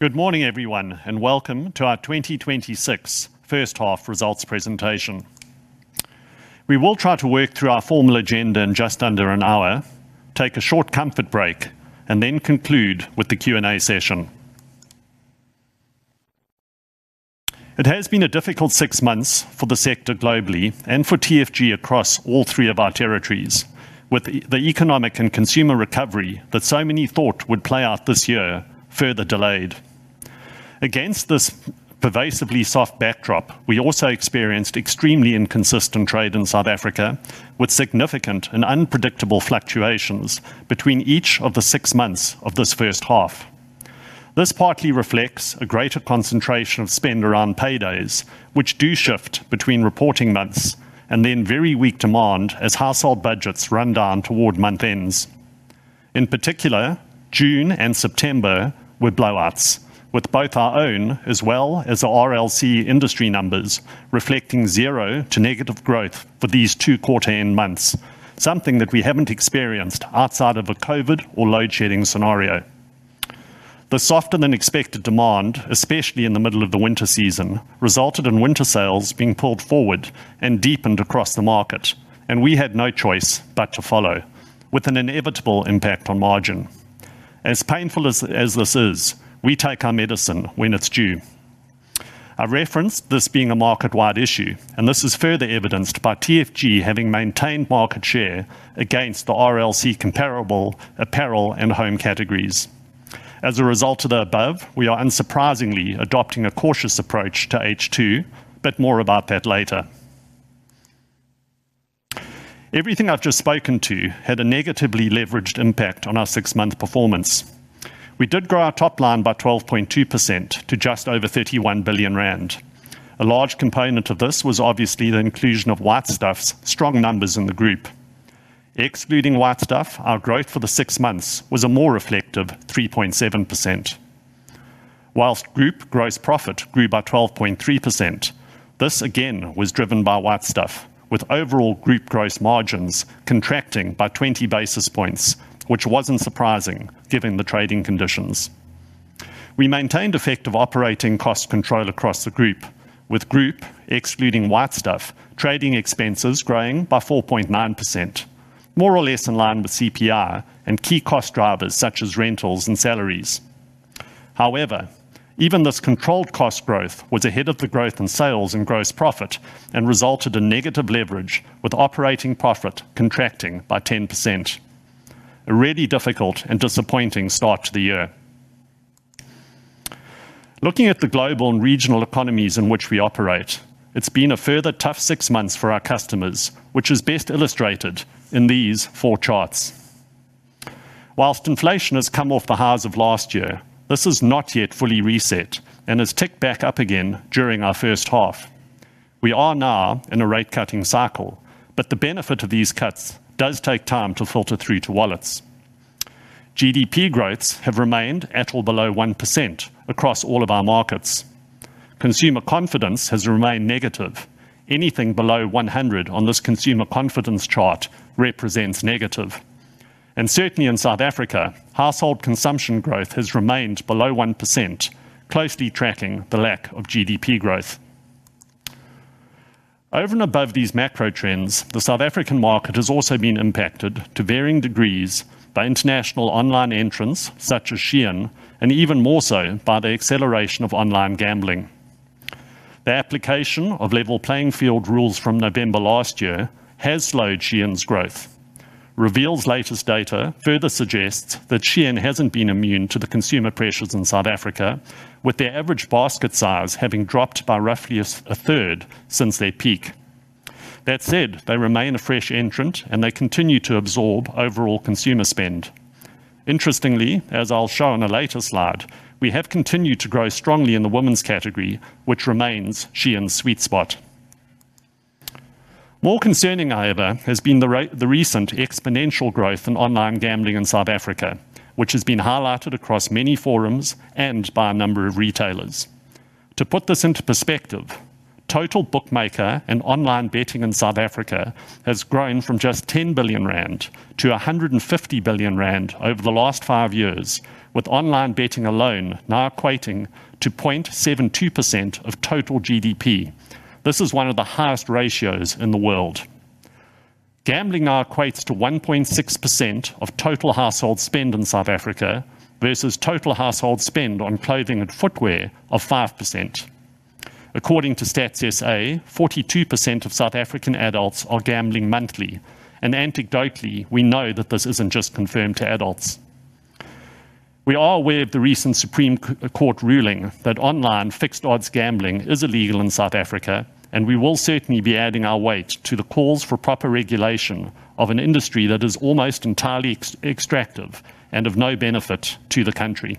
Good morning, everyone, and welcome to our 2026 first half results presentation. We will try to work through our formal agenda in just under an hour, take a short comfort break, and then conclude with the Q&A session. It has been a difficult six months for the sector globally and for TFG across all three of our territories, with the economic and consumer recovery that so many thought would play out this year further delayed. Against this pervasively soft backdrop, we also experienced extremely inconsistent trade in South Africa, with significant and unpredictable fluctuations between each of the six months of this first half. This partly reflects a greater concentration of spend around paydays, which do shift between reporting months, and then very weak demand as household budgets run down toward month ends. In particular, June and September were blowouts, with both our own as well as the RLC industry numbers reflecting zero to negative growth for these two quarter-end months, something that we have not experienced outside of a COVID or load-shedding scenario. The softer-than-expected demand, especially in the middle of the winter season, resulted in winter sales being pulled forward and deepened across the market, and we had no choice but to follow, with an inevitable impact on margin. As painful as this is, we take our medicine when it is due. I referenced this being a market-wide issue, and this is further evidenced by TFG having maintained market share against the RLC comparable apparel and home categories. As a result of the above, we are unsurprisingly adopting a cautious approach to H2, but more about that later. Everything I have just spoken to had a negatively leveraged impact on our six-month performance. We did grow our top line by 12.2% to just over 31 billion rand. A large component of this was obviously the inclusion of White Stuff's strong numbers in the group. Excluding White Stuff, our growth for the six months was a more reflective 3.7%. Whilst group gross profit grew by 12.3%, this again was driven by White Stuff, with overall group gross margins contracting by 20 basis points, which was not surprising given the trading conditions. We maintained effective operating cost control across the group, with group, excluding White Stuff, trading expenses growing by 4.9%, more or less in line with CPR and key cost drivers such as rentals and salaries. However, even this controlled cost growth was ahead of the growth in sales and gross profit and resulted in negative leverage, with operating profit contracting by 10%. A really difficult and disappointing start to the year. Looking at the global and regional economies in which we operate, it's been a further tough six months for our customers, which is best illustrated in these four charts. Whilst inflation has come off the highs of last year, this has not yet fully reset and has ticked back up again during our first half. We are now in a rate-cutting cycle, but the benefit of these cuts does take time to filter through to wallets. GDP growths have remained at or below 1% across all of our markets. Consumer confidence has remained negative. Anything below 100 on this consumer confidence chart represents negative. Certainly in South Africa, household consumption growth has remained below 1%, closely tracking the lack of GDP growth. Over and above these macro trends, the South African market has also been impacted to varying degrees by international online entrants, such as Shein, and even more so by the acceleration of online gambling. The application of level playing field rules from November last year has slowed Shein's growth. Reveal's latest data further suggests that Shein hasn't been immune to the consumer pressures in South Africa, with their average basket size having dropped by roughly a third since their peak. That said, they remain a fresh entrant, and they continue to absorb overall consumer spend. Interestingly, as I'll show in a later slide, we have continued to grow strongly in the women's category, which remains Shein's sweet spot. More concerning, however, has been the recent exponential growth in online gambling in South Africa, which has been highlighted across many forums and by a number of retailers. To put this into perspective, total bookmaker and online betting in South Africa has grown from just 10 billion rand to 150 billion rand over the last five years, with online betting alone now equating to 0.72% of total GDP. This is one of the highest ratios in the world. Gambling now equates to 1.6% of total household spend in South Africa versus total household spend on clothing and footwear of 5%. According to Stats SA, 42% of South African adults are gambling monthly, and anecdotally, we know that this isn't just confined to adults. We are aware of the recent Supreme Court ruling that online fixed odds gambling is illegal in South Africa, and we will certainly be adding our weight to the calls for proper regulation of an industry that is almost entirely extractive and of no benefit to the country.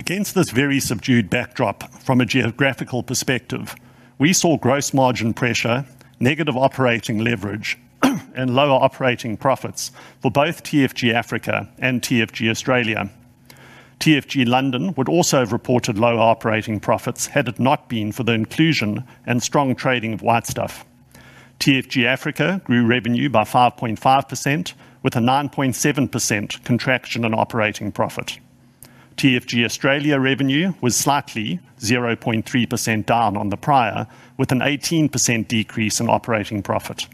Against this very subdued backdrop, from a geographical perspective, we saw gross margin pressure, negative operating leverage, and lower operating profits for both TFG Africa and TFG Australia. TFG London would also have reported lower operating profits had it not been for the inclusion and strong trading of White Stuff. TFG Africa grew revenue by 5.5%, with a 9.7% contraction in operating profit. TFG Australia revenue was slightly 0.3% down on the prior, with an 18% decrease in operating profit.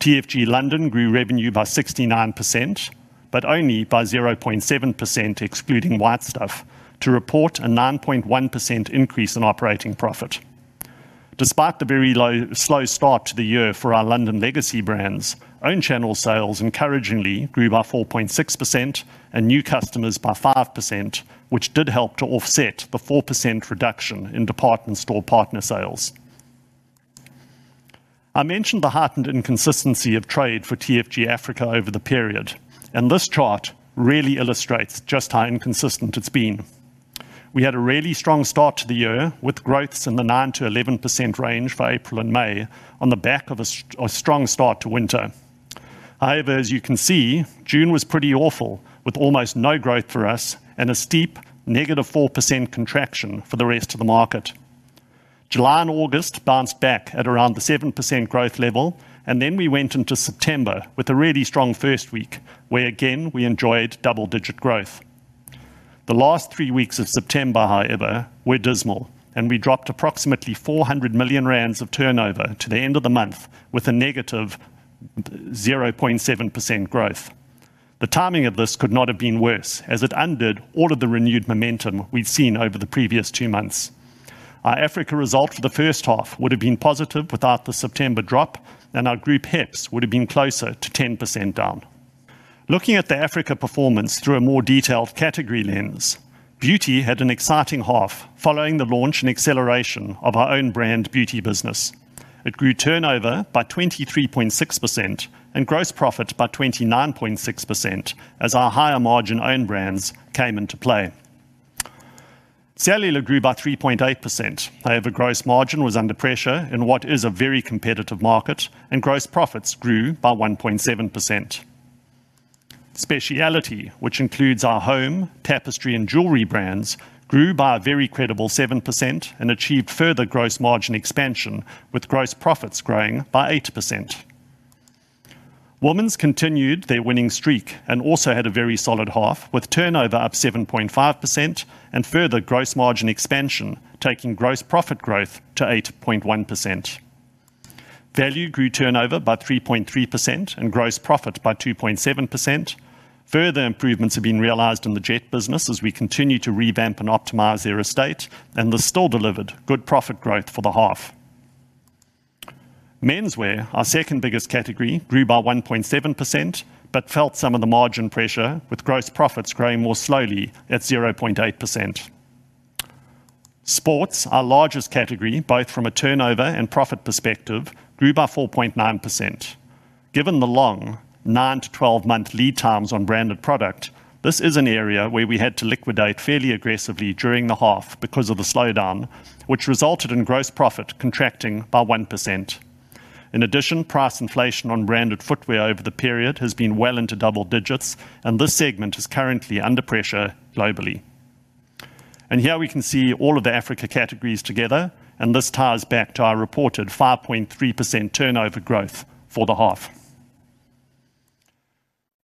TFG London grew revenue by 69%, but only by 0.7% excluding White Stuff, to report a 9.1% increase in operating profit. Despite the very slow start to the year for our London legacy brands, own channel sales encouragingly grew by 4.6% and new customers by 5%, which did help to offset the 4% reduction in department store partner sales. I mentioned the heightened inconsistency of trade for TFG Africa over the period, and this chart really illustrates just how inconsistent it's been. We had a really strong start to the year, with growths in the 9%-11% range for April and May, on the back of a strong start to winter. However, as you can see, June was pretty awful, with almost no growth for us and a steep negative 4% contraction for the rest of the market. July and August bounced back at around the 7% growth level, and we went into September with a really strong first week, where again we enjoyed double-digit growth. The last three weeks of September, however, were dismal, and we dropped approximately 400 million rand of turnover to the end of the month with a negative 0.7% growth. The timing of this could not have been worse, as it undid all of the renewed momentum we have seen over the previous two months. Our Africa result for the first half would have been positive without the September drop, and our group HEPS would have been closer to 10% down. Looking at the Africa performance through a more detailed category lens, beauty had an exciting half following the launch and acceleration of our own brand beauty business. It grew turnover by 23.6% and gross profit by 29.6% as our higher margin own brands came into play. Cellular grew by 3.8%. However, gross margin was under pressure in what is a very competitive market, and gross profits grew by 1.7%. Speciality, which includes our home, tapestry, and jewelry brands, grew by a very credible 7% and achieved further gross margin expansion, with gross profits growing by 8%. Women's continued their winning streak and also had a very solid half, with turnover up 7.5% and further gross margin expansion taking gross profit growth to 8.1%. Value grew turnover by 3.3% and gross profit by 2.7%. Further improvements have been realized in the Jet business as we continue to revamp and optimize their estate, and there's still delivered good profit growth for the half. Men's wear, our second biggest category, grew by 1.7% but felt some of the margin pressure, with gross profits growing more slowly at 0.8%. Sports, our largest category, both from a turnover and profit perspective, grew by 4.9%. Given the long 9- to 12-month lead times on branded product, this is an area where we had to liquidate fairly aggressively during the half because of the slowdown, which resulted in gross profit contracting by 1%. In addition, price inflation on branded footwear over the period has been well into double digits, and this segment is currently under pressure globally. Here we can see all of the Africa categories together, and this ties back to our reported 5.3% turnover growth for the half.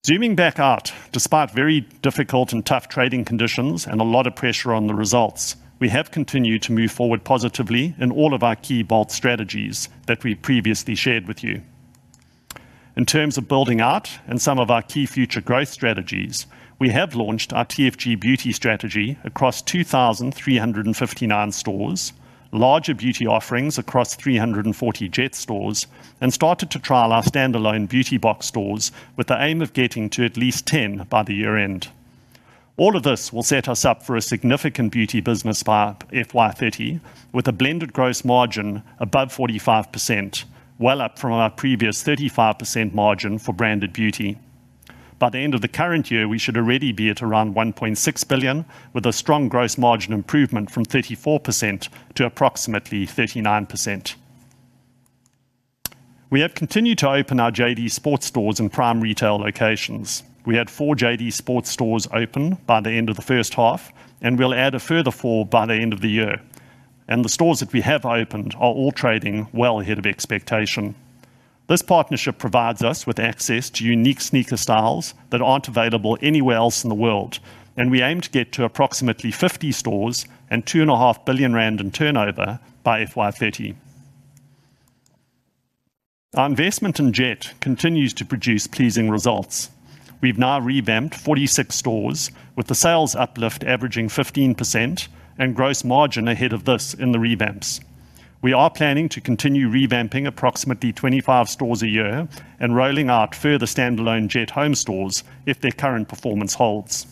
Zooming back out, despite very difficult and tough trading conditions and a lot of pressure on the results, we have continued to move forward positively in all of our key bolt strategies that we previously shared with you. In terms of building out and some of our key future growth strategies, we have launched our TFG beauty strategy across 2,359 stores, larger beauty offerings across 340 Jet stores, and started to trial our standalone Beauty Box stores with the aim of getting to at least 10 by the year end. All of this will set us up for a significant beauty business by FY 2030, with a blended gross margin above 45%, well up from our previous 35% margin for branded beauty. By the end of the current year, we should already be at around 1.6 billion, with a strong gross margin improvement from 34% to approximately 39%. We have continued to open our JD Sports stores in prime retail locations. We had four JD Sports stores open by the end of the first half, and we will add a further four by the end of the year. The stores that we have opened are all trading well ahead of expectation. This partnership provides us with access to unique sneaker styles that are not available anywhere else in the world, and we aim to get to approximately 50 stores and 2.5 billion rand in turnover by FY2030. Our investment in Jet continues to produce pleasing results. We've now revamped 46 stores, with the sales uplift averaging 15% and gross margin ahead of this in the revamps. We are planning to continue revamping approximately 25 stores a year and rolling out further standalone Jet Home stores if their current performance holds.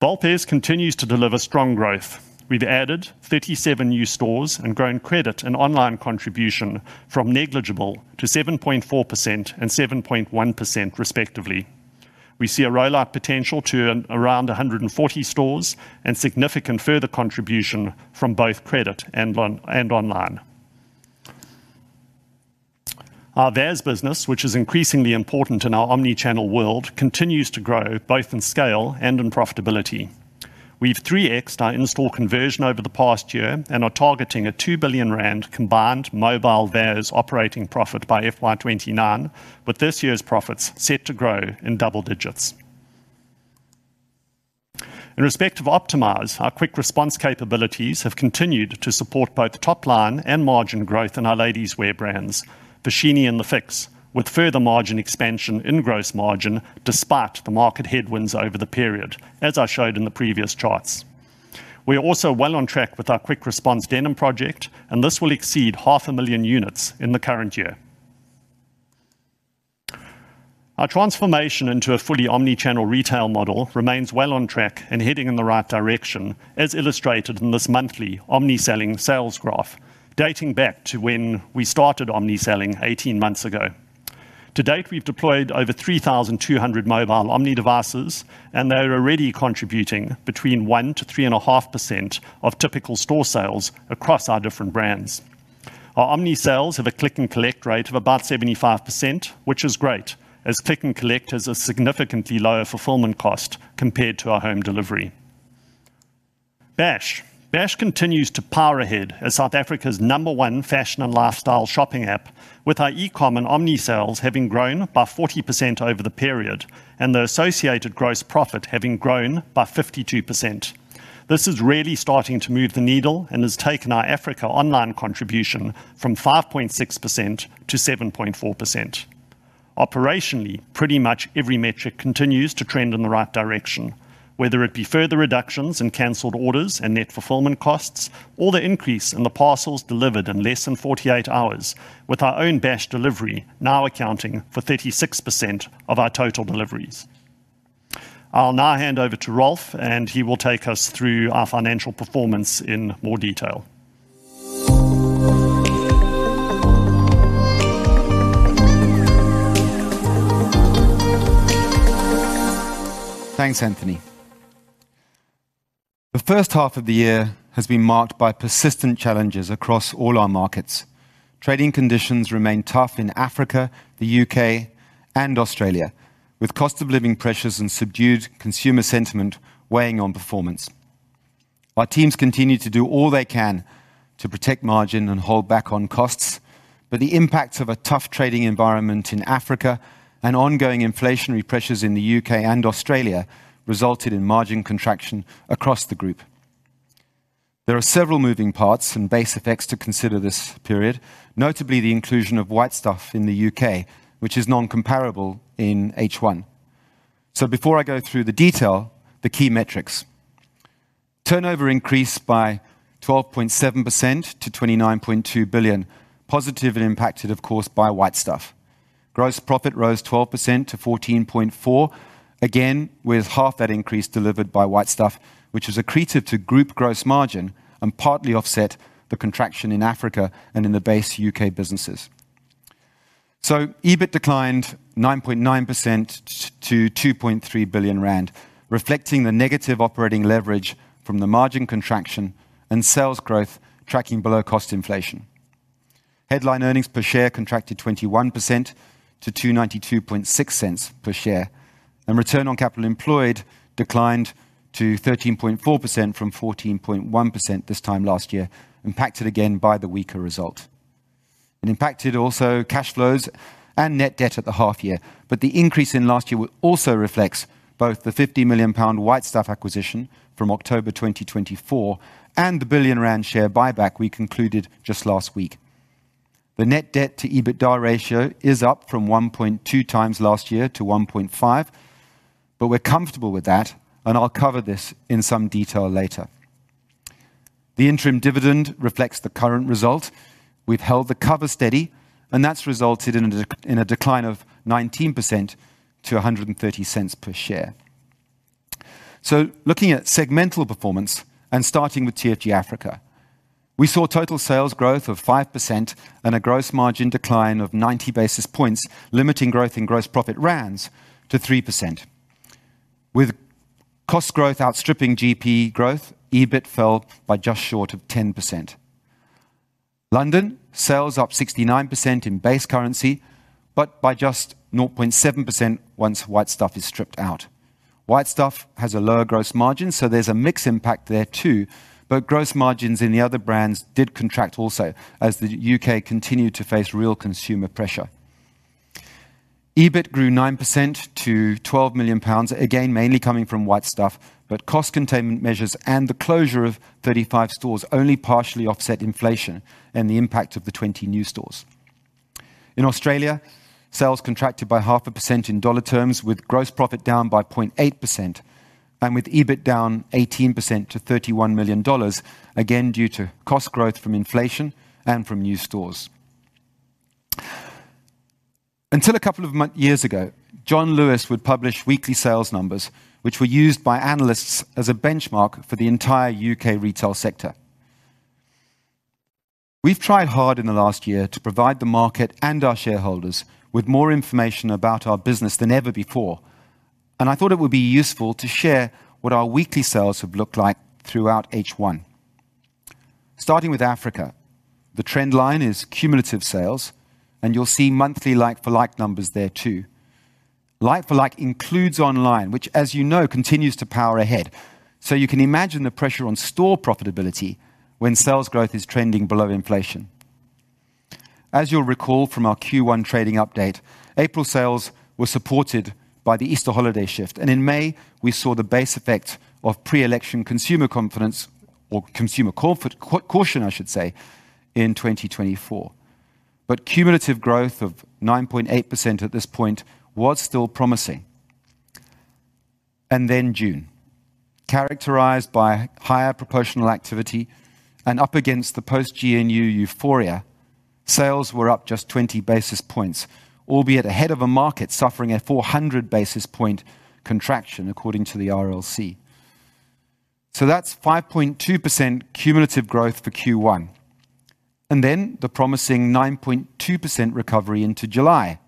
Bolt Pairs continues to deliver strong growth. We've added 37 new stores and grown credit and online contribution from negligible to 7.4% and 7.1%, respectively. We see a rollout potential to around 140 stores and significant further contribution from both credit and online. Our VAS business, which is increasingly important in our omnichannel world, continues to grow both in scale and in profitability. We've three-xed our install conversion over the past year and are targeting a 2 billion rand combined mobile VAS operating profit by FY 2029, with this year's profits set to grow in double digits. In respect of Optimize, our quick response capabilities have continued to support both top line and margin growth in our ladies' wear brands, Foschini and LeFix, with further margin expansion in gross margin despite the market headwinds over the period, as I showed in the previous charts. We're also well on track with our quick response denim project, and this will exceed 500,000 units in the current year. Our transformation into a fully omnichannel retail model remains well on track and heading in the right direction, as illustrated in this monthly omniselling sales graph dating back to when we started omniselling 18 months ago. To date, we've deployed over 3,200 mobile omnidevices, and they are already contributing between 1% to 3.5% of typical store sales across our different brands. Our omnisales have a click-and-collect rate of about 75%, which is great, as click-and-collect has a significantly lower fulfillment cost compared to our home delivery. Bash continues to power ahead as South Africa's number one fashion and lifestyle shopping app, with our e-comm and omnisales having grown by 40% over the period and the associated gross profit having grown by 52%. This is really starting to move the needle and has taken our Africa online contribution from 5.6% to 7.4%. Operationally, pretty much every metric continues to trend in the right direction, whether it be further reductions in canceled orders and net fulfillment costs or the increase in the parcels delivered in less than 48 hours, with our own Bash delivery now accounting for 36% of our total deliveries. I'll now hand over to Ralph, and he will take us through our financial performance in more detail. Thanks, Anthony. The first half of the year has been marked by persistent challenges across all our markets. Trading conditions remain tough in Africa, the U.K., and Australia, with cost of living pressures and subdued consumer sentiment weighing on performance. Our teams continue to do all they can to protect margin and hold back on costs, but the impacts of a tough trading environment in Africa and ongoing inflationary pressures in the U.K. and Australia resulted in margin contraction across the group. There are several moving parts and base effects to consider this period, notably the inclusion of White Stuff in the U.K., which is non-comparable in H1. Before I go through the detail, the key metrics: turnover increased by 12.7% to 29.2 billion, positive and impacted, of course, by White Stuff. Gross profit rose 12% to 14.4 billion, again with half that increase delivered by White Stuff, which was accretive to group gross margin and partly offset the contraction in Africa and in the base U.K. businesses. EBIT declined 9.9% to 2.3 billion rand, reflecting the negative operating leverage from the margin contraction and sales growth tracking below cost inflation. Headline earnings per share contracted 21% to 2.92 per share, and return on capital employed declined to 13.4% from 14.1% this time last year, impacted again by the weaker result. It impacted also cash flows and net debt at the half year, but the increase in last year also reflects both the 50 million pound White Stuff acquisition from October 2024 and the 1 billion rand share buyback we concluded just last week. The net debt to EBITDA ratio is up from 1.2x last year to 1.5x, but we're comfortable with that, and I'll cover this in some detail later. The interim dividend reflects the current result. We've held the cover steady, and that's resulted in a decline of 19% to 130 per share. Looking at segmental performance and starting with TFG Africa, we saw total sales growth of 5% and a gross margin decline of 90 basis points, limiting growth in gross profit ZAR to 3%. With cost growth outstripping GP growth, EBIT fell by just short of 10%. London sales up 69% in base currency, but by just 0.7% once White Stuff is stripped out. White Stuff has a lower gross margin, so there's a mixed impact there too, but gross margins in the other brands did contract also as the U.K. continued to face real consumer pressure. EBIT grew 9% to ZAR 12 million, again mainly coming from White Stuff, but cost containment measures and the closure of 35 stores only partially offset inflation and the impact of the 20 new stores. In Australia, sales contracted by 0.5% in dollar terms, with gross profit down by 0.8% and with EBIT down 18% to 31 million dollars, again due to cost growth from inflation and from new stores. Until a couple of years ago, John Lewis would publish weekly sales numbers, which were used by analysts as a benchmark for the entire U.K. retail sector. We've tried hard in the last year to provide the market and our shareholders with more information about our business than ever before, and I thought it would be useful to share what our weekly sales have looked like throughout H1. Starting with Africa, the trend line is cumulative sales, and you'll see monthly like-for-like numbers there too. Like-for-like includes online, which, as you know, continues to power ahead, so you can imagine the pressure on store profitability when sales growth is trending below inflation. As you'll recall from our Q1 trading update, April sales were supported by the Easter holiday shift, and in May, we saw the base effect of pre-election consumer confidence or consumer caution, I should say, in 2024. Cumulative growth of 9.8% at this point was still promising. In June, characterized by higher proportional activity and up against the post-GNU euphoria, sales were up just 20 basis points, albeit ahead of a market suffering a 400 basis point contraction, according to the RLC. That is 5.2% cumulative growth for Q1, and then the promising 9.2% recovery into July,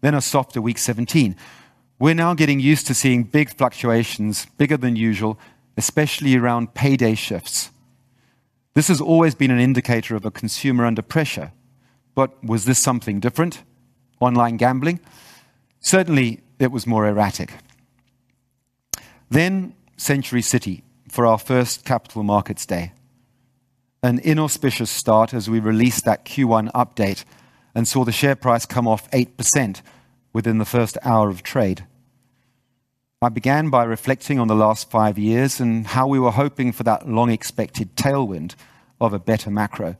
then a softer week 17. We're now getting used to seeing big fluctuations, bigger than usual, especially around payday shifts. This has always been an indicator of a consumer under pressure, but was this something different? Online gambling? Certainly, it was more erratic. Then Century City for our first Capital Markets Day, an inauspicious start as we released that Q1 update and saw the share price come off 8% within the first hour of trade. I began by reflecting on the last five years and how we were hoping for that long-expected tailwind of a better macro.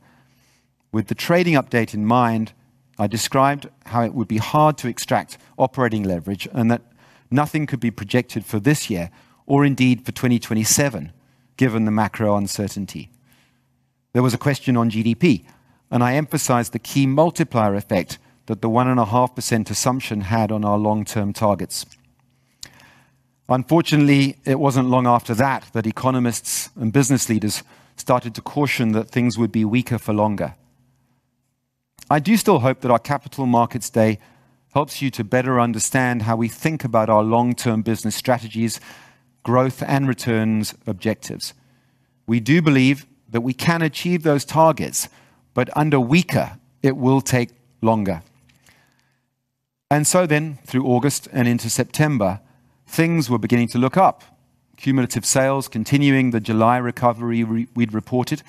With the trading update in mind, I described how it would be hard to extract operating leverage and that nothing could be projected for this year or indeed for 2027, given the macro uncertainty. There was a question on GDP, and I emphasized the key multiplier effect that the 1.5% assumption had on our long-term targets. Unfortunately, it wasn't long after that that economists and business leaders started to caution that things would be weaker for longer. I do still hope that our Capital Markets Day helps you to better understand how we think about our long-term business strategies, growth, and returns objectives. We do believe that we can achieve those targets, but under weaker, it will take longer. Through August and into September, things were beginning to look up, cumulative sales continuing the July recovery we'd reported,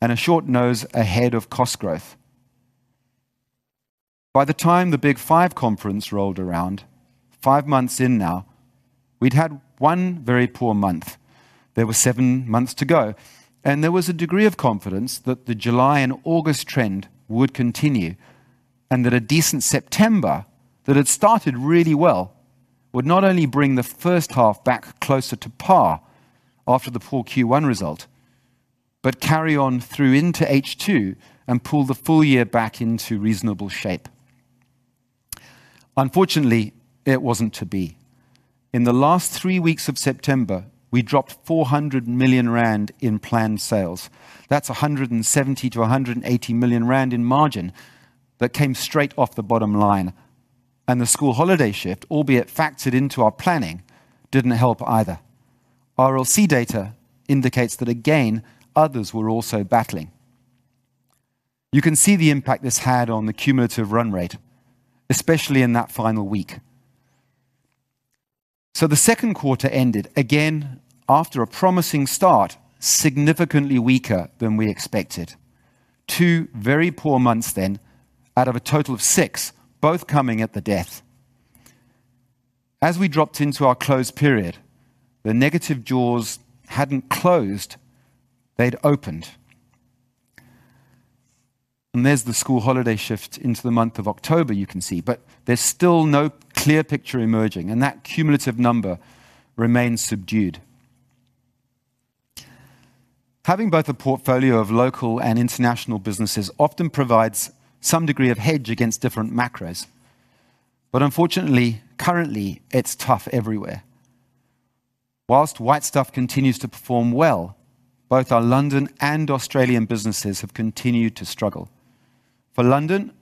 and a short nose ahead of cost growth. By the time the Big Five Conference rolled around, five months in now, we'd had one very poor month. There were seven months to go, and there was a degree of confidence that the July and August trend would continue and that a decent September that had started really well would not only bring the first half back closer to par after the poor Q1 result, but carry on through into H2 and pull the full year back into reasonable shape. Unfortunately, it was not to be. In the last three weeks of September, we dropped 400 million rand in planned sales. That is 170 million-180 million rand in margin that came straight off the bottom line. The school holiday shift, albeit factored into our planning, did not help either. RLC data indicates that, again, others were also battling. You can see the impact this had on the cumulative run rate, especially in that final week. The second quarter ended, again, after a promising start, significantly weaker than we expected. Two very poor months then out of a total of six, both coming at the death. As we dropped into our closed period, the negative jaws had not closed; they had opened. There is the school holiday shift into the month of October, you can see, but there is still no clear picture emerging, and that cumulative number remains subdued. Having both a portfolio of local and international businesses often provides some degree of hedge against different macros, but unfortunately, currently, it is tough everywhere. Whilst White Stuff continues to perform well, both our London and Australian businesses have continued to struggle. For London,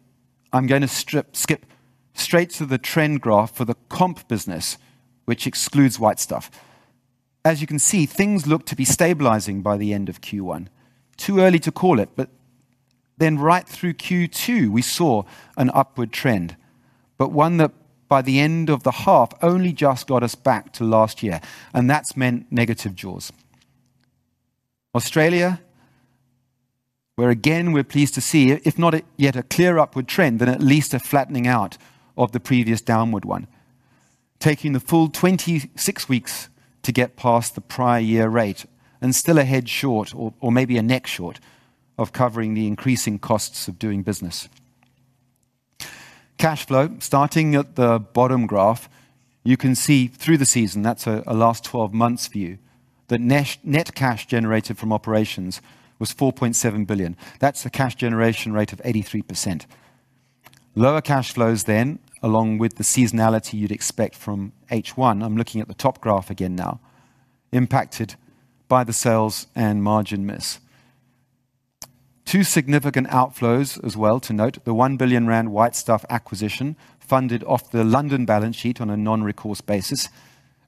I am going to skip straight to the trend graph for the comp business, which excludes White Stuff. As you can see, things look to be stabilizing by the end of Q1. Too early to call it, but then right through Q2, we saw an upward trend, but one that by the end of the half only just got us back to last year, and that's meant negative jaws. Australia, where again we're pleased to see, if not yet a clear upward trend, then at least a flattening out of the previous downward one, taking the full 26 weeks to get past the prior year rate and still a head short, or maybe a neck short, of covering the increasing costs of doing business. Cash flow, starting at the bottom graph, you can see through the season, that's a last 12 months view, that net cash generated from operations was 4.7 billion. That's a cash generation rate of 83%. Lower cash flows then, along with the seasonality you'd expect from H1, I'm looking at the top graph again now, impacted by the sales and margin miss. Two significant outflows as well to note: the 1 billion rand White Stuff acquisition funded off the London balance sheet on a non-recourse basis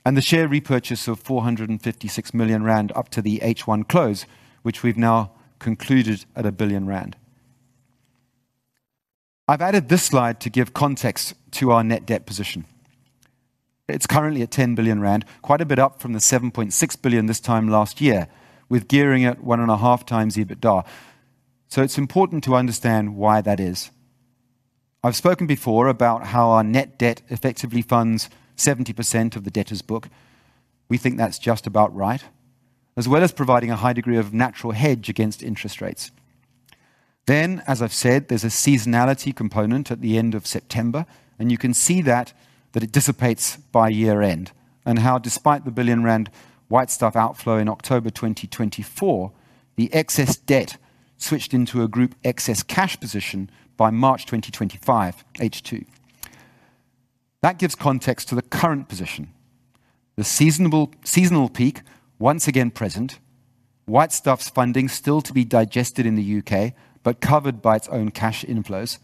and the share repurchase of 456 million rand up to the H1 close, which we've now concluded at 1 billion rand. I've added this slide to give context to our net debt position. It's currently at 10 billion rand, quite a bit up from the 7.6 billion this time last year, with gearing at 1.5x EBITDA. It is important to understand why that is. I've spoken before about how our net debt effectively funds 70% of the debtor's book. We think that's just about right, as well as providing a high degree of natural hedge against interest rates. As I have said, there is a seasonality component at the end of September, and you can see that it dissipates by year-end and how, despite the 1 billion rand White Stuff outflow in October 2024, the excess debt switched into a group excess cash position by March 2025, H2. That gives context to the current position. The seasonal peak, once again present, White Stuff's funding still to be digested in the U.K. but covered by its own cash inflows,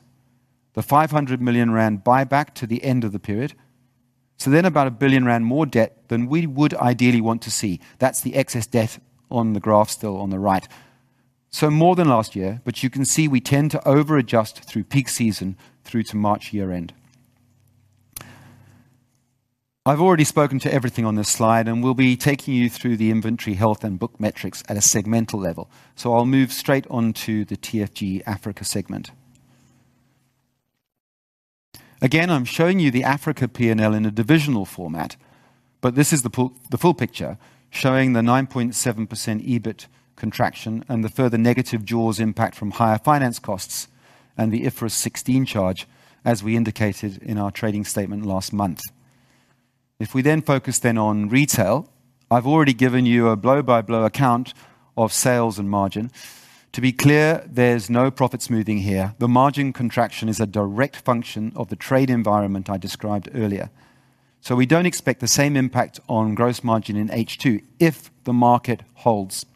the 500 million rand buyback to the end of the period. There is about 1 billion rand more debt than we would ideally want to see. That is the excess debt on the graph still on the right. More than last year, but you can see we tend to over-adjust through peak season through to March year-end. I've already spoken to everything on this slide, and we'll be taking you through the inventory health and book metrics at a segmental level. I'll move straight on to the TFG Africa segment. Again, I'm showing you the Africa P&L in a divisional format, but this is the full picture showing the 9.7% EBIT contraction and the further negative jaws impact from higher finance costs and the IFRS 16 charge, as we indicated in our trading statement last month. If we then focus on retail, I've already given you a blow-by-blow account of sales and margin. To be clear, there's no profits moving here. The margin contraction is a direct function of the trade environment I described earlier. We don't expect the same impact on gross margin in H2 if the market holds.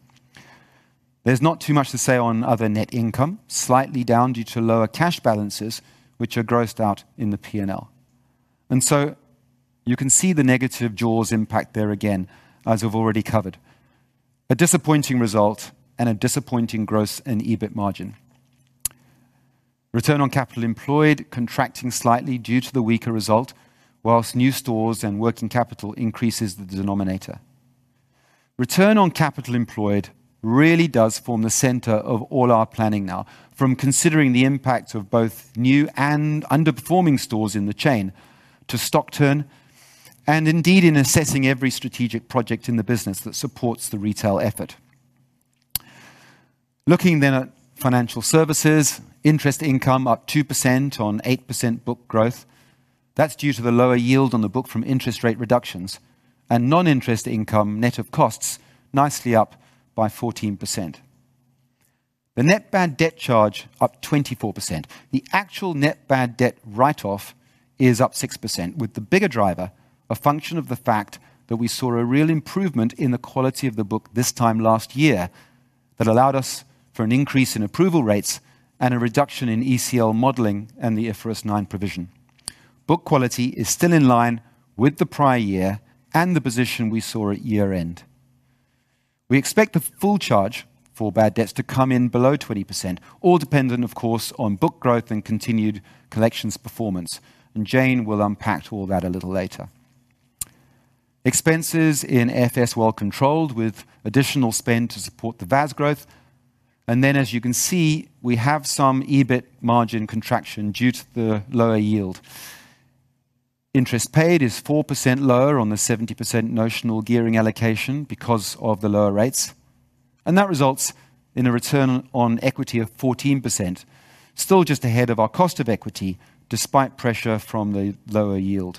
There's not too much to say on other net income, slightly down due to lower cash balances, which are grossed out in the P&L. You can see the negative jaws impact there again, as we've already covered. A disappointing result and a disappointing gross and EBIT margin. Return on capital employed contracting slightly due to the weaker result, whilst new stores and working capital increases the denominator. Return on capital employed really does form the center of all our planning now, from considering the impact of both new and underperforming stores in the chain to stock turn, and indeed in assessing every strategic project in the business that supports the retail effort. Looking then at financial services, interest income up 2% on 8% book growth. That's due to the lower yield on the book from interest rate reductions, and non-interest income net of costs nicely up by 14%. The net bad debt charge up 24%. The actual net bad debt write-off is up 6%, with the bigger driver a function of the fact that we saw a real improvement in the quality of the book this time last year that allowed us for an increase in approval rates and a reduction in ECL modeling and the IFRS 9 provision. Book quality is still in line with the prior year and the position we saw at year-end. We expect the full charge for bad debts to come in below 20%, all dependent, of course, on book growth and continued collections performance, and Jane will unpack all that a little later. Expenses in FS well controlled with additional spend to support the VAS growth, and then, as you can see, we have some EBIT margin contraction due to the lower yield. Interest paid is 4% lower on the 70% notional gearing allocation because of the lower rates, and that results in a return on equity of 14%, still just ahead of our cost of equity despite pressure from the lower yield.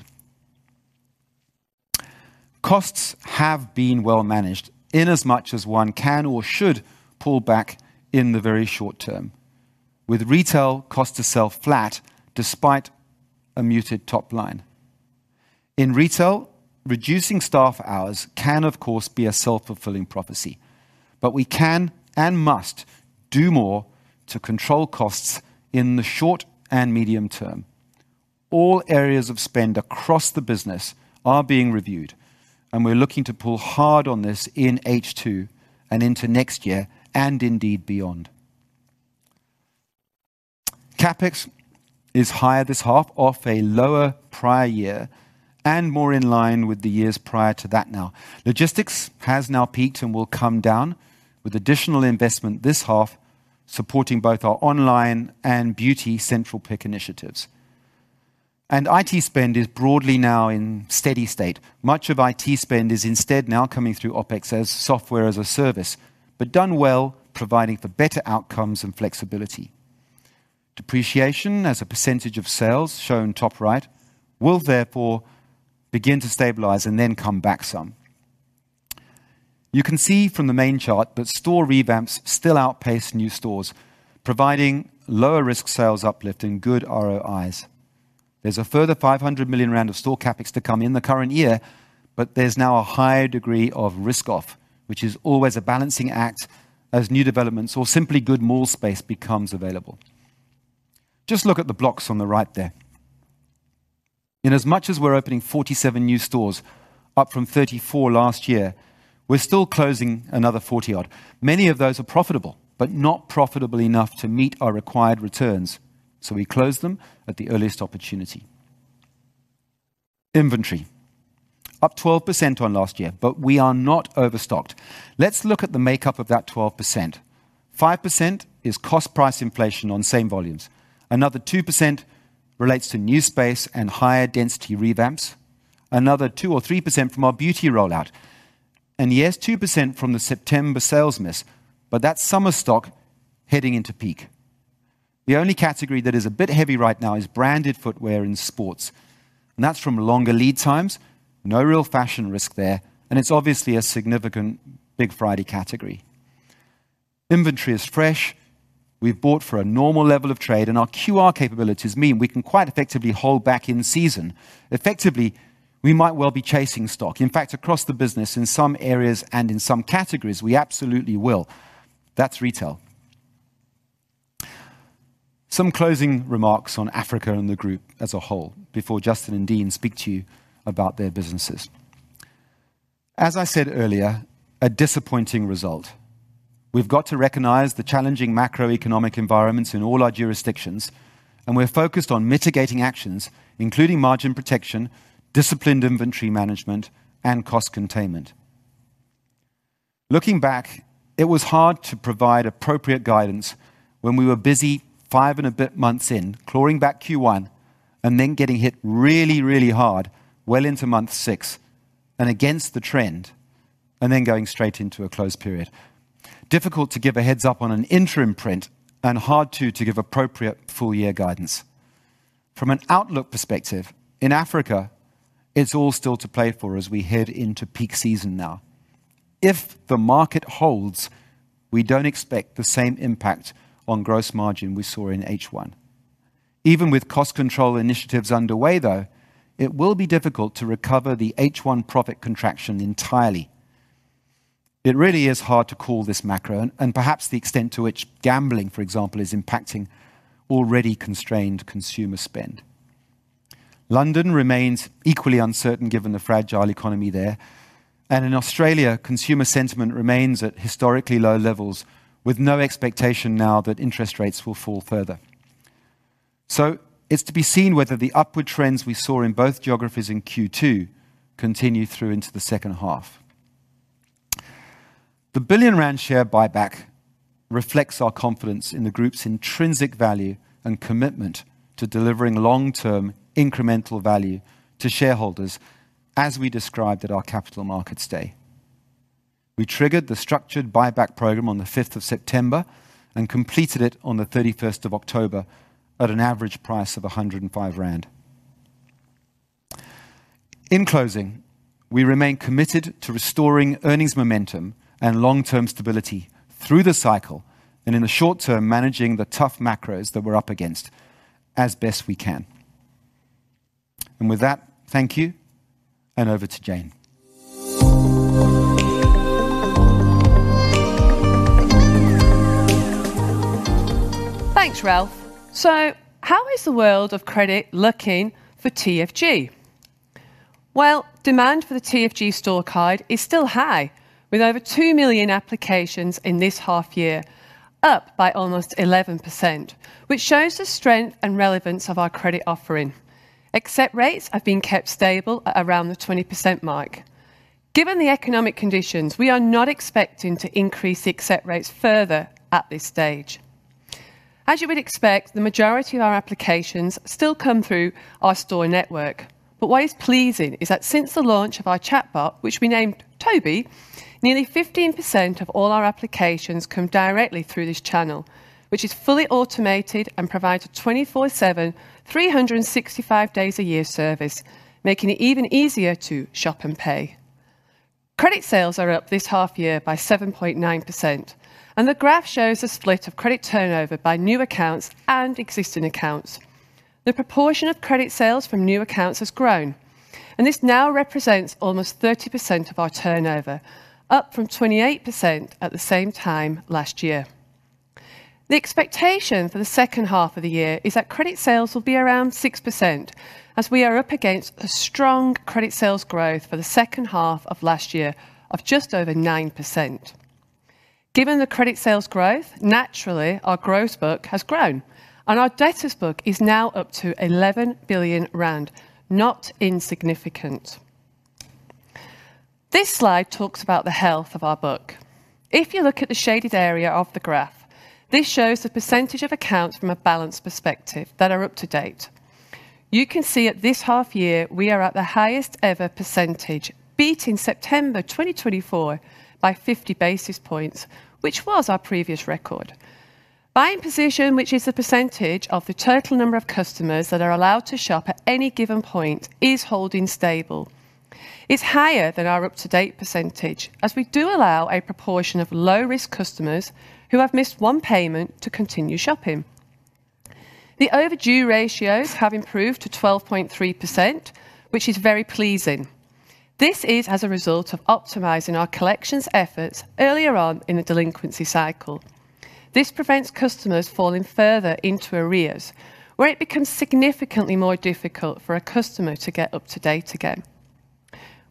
Costs have been well managed in as much as one can or should pull back in the very short term, with retail cost to sell flat despite a muted top line. In retail, reducing staff hours can, of course, be a self-fulfilling prophecy, but we can and must do more to control costs in the short and medium term. All areas of spend across the business are being reviewed, and we're looking to pull hard on this in H2 and into next year and indeed beyond. CapEx is higher this half off a lower prior year and more in line with the years prior to that now. Logistics has now peaked and will come down with additional investment this half, supporting both our online and beauty central pick initiatives. IT spend is broadly now in steady state. Much of IT spend is instead now coming through OpEx as software as a service, but done well, providing for better outcomes and flexibility. Depreciation, as a percentage of sales shown top right, will therefore begin to stabilize and then come back some. You can see from the main chart that store revamps still outpace new stores, providing lower risk sales uplift and good ROIs. There is a further 500 million rand of store CapEx to come in the current year, but there is now a higher degree of risk off, which is always a balancing act as new developments or simply good mall space becomes available. Just look at the blocks on the right there. In as much as we're opening 47 new stores, up from 34 last year, we're still closing another 40-odd. Many of those are profitable, but not profitable enough to meet our required returns, so we close them at the earliest opportunity. Inventory, up 12% on last year, but we are not overstocked. Let's look at the makeup of that 12%. 5% is cost-price inflation on same volumes. Another 2% relates to new space and higher density revamps. Another 2% or 3% from our beauty rollout. Yes, 2% from the September sales miss, but that's summer stock heading into peak. The only category that is a bit heavy right now is branded footwear and sports, and that's from longer lead times, no real fashion risk there, and it's obviously a significant Big Friday category. Inventory is fresh. We've bought for a normal level of trade, and our QR capabilities mean we can quite effectively hold back in season. Effectively, we might well be chasing stock. In fact, across the business, in some areas and in some categories, we absolutely will. That's retail. Some closing remarks on Africa and the group as a whole before Justin and Dean speak to you about their businesses. As I said earlier, a disappointing result. We've got to recognize the challenging macroeconomic environments in all our jurisdictions, and we're focused on mitigating actions, including margin protection, disciplined inventory management, and cost containment. Looking back, it was hard to provide appropriate guidance when we were busy five and a bit months in, clawing back Q1, and then getting hit really, really hard well into month six and against the trend, and then going straight into a close period. Difficult to give a heads-up on an interim print and hard to give appropriate full-year guidance. From an outlook perspective, in Africa, it's all still to play for as we head into peak season now. If the market holds, we don't expect the same impact on gross margin we saw in H1. Even with cost control initiatives underway, though, it will be difficult to recover the H1 profit contraction entirely. It really is hard to call this macro and perhaps the extent to which gambling, for example, is impacting already constrained consumer spend. London remains equally uncertain given the fragile economy there, and in Australia, consumer sentiment remains at historically low levels with no expectation now that interest rates will fall further. It is to be seen whether the upward trends we saw in both geographies in Q2 continue through into the second half. The 1 billion rand share buyback reflects our confidence in the group's intrinsic value and commitment to delivering long-term incremental value to shareholders as we described at our Capital Markets Day. We triggered the structured buyback program on the 5th of September and completed it on the 31st of October at an average price of 105 rand. In closing, we remain committed to restoring earnings momentum and long-term stability through the cycle and in the short term managing the tough macros that we're up against as best we can. Thank you and over to Jane. Thanks, Ralph. How is the world of credit looking for TFG? Demand for the TFG store card is still high, with over 2 million applications in this half year, up by almost 11%, which shows the strength and relevance of our credit offering. Accept rates have been kept stable at around the 20% mark. Given the economic conditions, we are not expecting to increase accept rates further at this stage. As you would expect, the majority of our applications still come through our store network, but what is pleasing is that since the launch of our chatbot, which we named Toby, nearly 15% of all our applications come directly through this channel, which is fully automated and provides a 24/7, 365 days a year service, making it even easier to shop and pay. Credit sales are up this half year by 7.9%, and the graph shows a split of credit turnover by new accounts and existing accounts. The proportion of credit sales from new accounts has grown, and this now represents almost 30% of our turnover, up from 28% at the same time last year. The expectation for the second half of the year is that credit sales will be around 6%, as we are up against a strong credit sales growth for the second half of last year of just over 9%. Given the credit sales growth, naturally, our gross book has grown, and our debtors book is now up to 11 billion rand, not insignificant. This slide talks about the health of our book. If you look at the shaded area of the graph, this shows the percentage of accounts from a balance perspective that are up to date. You can see at this half year we are at the highest ever percentage, beating September 2024 by 50 basis points, which was our previous record. Buying position, which is the percentage of the total number of customers that are allowed to shop at any given point, is holding stable. It's higher than our up-to-date percentage, as we do allow a proportion of low-risk customers who have missed one payment to continue shopping. The overdue ratios have improved to 12.3%, which is very pleasing. This is as a result of optimizing our collections efforts earlier on in the delinquency cycle. This prevents customers falling further into arrears, where it becomes significantly more difficult for a customer to get up to date again.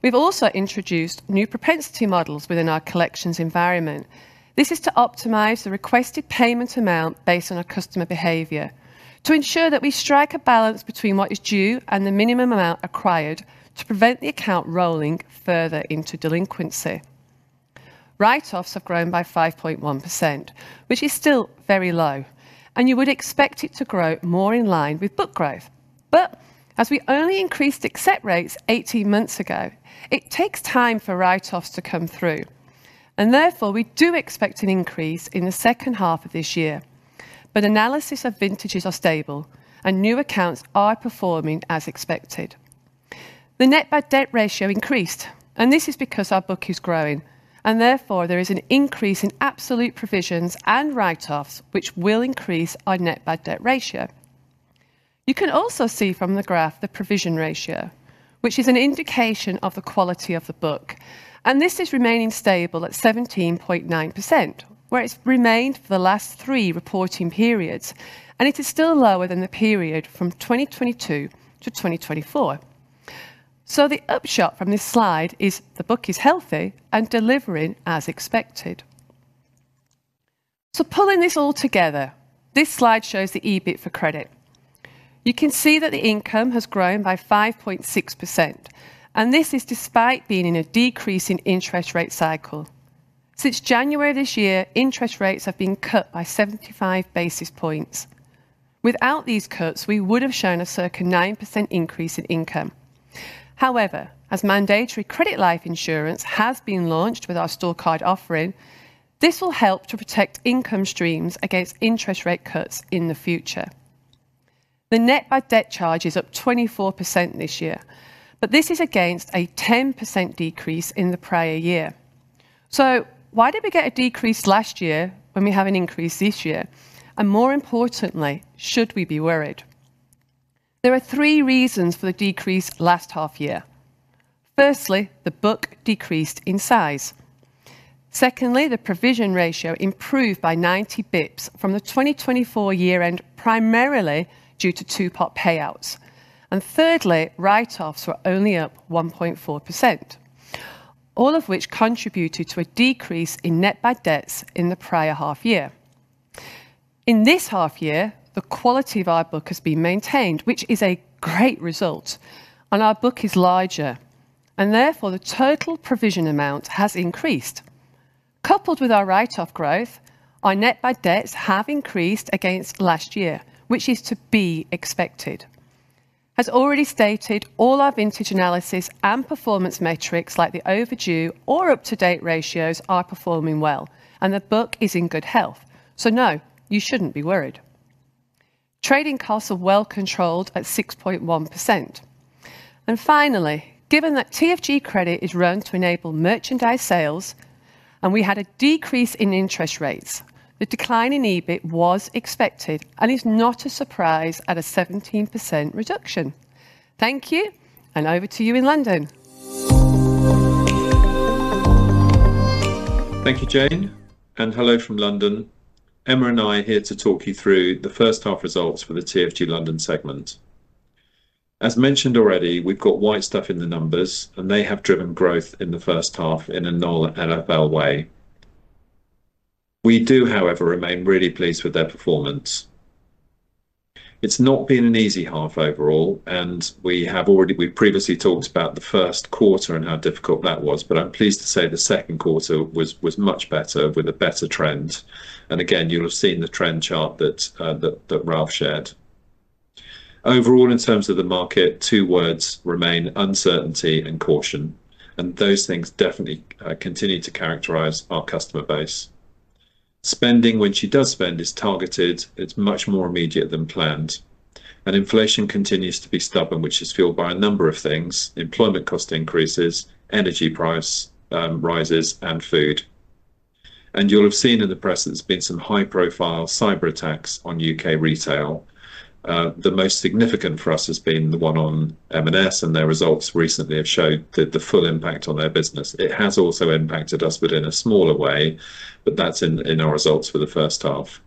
We've also introduced new propensity models within our collections environment. This is to optimize the requested payment amount based on our customer behavior, to ensure that we strike a balance between what is due and the minimum amount acquired to prevent the account rolling further into delinquency. Write-offs have grown by 5.1%, which is still very low, and you would expect it to grow more in line with book growth. As we only increased accept rates 18 months ago, it takes time for write-offs to come through, and therefore we do expect an increase in the second half of this year. Analysis of vintages are stable, and new accounts are performing as expected. The net bad debt ratio increased, and this is because our book is growing, and therefore there is an increase in absolute provisions and write-offs, which will increase our net bad debt ratio. You can also see from the graph the provision ratio, which is an indication of the quality of the book, and this is remaining stable at 17.9%, where it has remained for the last three reporting periods, and it is still lower than the period from 2022 to 2024. The upshot from this slide is the book is healthy and delivering as expected. Pulling this all together, this slide shows the EBIT for credit. You can see that the income has grown by 5.6%, and this is despite being in a decreasing interest rate cycle. Since January this year, interest rates have been cut by 75 basis points. Without these cuts, we would have shown a circa 9% increase in income. However, as mandatory credit life insurance has been launched with our store card offering, this will help to protect income streams against interest rate cuts in the future. The net bad debt charge is up 24% this year, but this is against a 10% decrease in the prior year. Why did we get a decrease last year when we have an increase this year? More importantly, should we be worried? There are three reasons for the decrease last half year. Firstly, the book decreased in size. Secondly, the provision ratio improved by 90 basis points from the 2024 year-end, primarily due to two-pot payouts. Thirdly, write-offs were only up 1.4%, all of which contributed to a decrease in net bad debts in the prior half year. In this half year, the quality of our book has been maintained, which is a great result, and our book is larger, and therefore the total provision amount has increased. Coupled with our write-off growth, our net bad debts have increased against last year, which is to be expected. As already stated, all our vintage analysis and performance metrics like the overdue or up-to-date ratios are performing well, and the book is in good health, so no, you should not be worried. Trading costs are well controlled at 6.1%. Finally, given that TFG credit is run to enable merchandise sales and we had a decrease in interest rates, the decline in EBIT was expected and is not a surprise at a 17% reduction. Thank you and over to you in London. Thank you, Jane, and hello from London. Emma and I are here to talk you through the first half results for the TFG London segment. As mentioned already, we've got White Stuff in the numbers and they have driven growth in the first half in a null and LFL way. We do, however, remain really pleased with their performance. It's not been an easy half overall, and we have already, we've previously talked about the first quarter and how difficult that was, but I'm pleased to say the second quarter was much better with a better trend. You'll have seen the trend chart that Ralph shared. Overall, in terms of the market, two words remain: uncertainty and caution, and those things definitely continue to characterize our customer base. Spending, when she does spend, is targeted. It's much more immediate than planned, and inflation continues to be stubborn, which is fueled by a number of things: employment cost increases, energy price rises, and food. You'll have seen in the press that there's been some high-profile cyber attacks on U.K. retail. The most significant for us has been the one on Marks & Spencer, and their results recently have showed the full impact on their business. It has also impacted us within a smaller way, but that's in our results for the first half.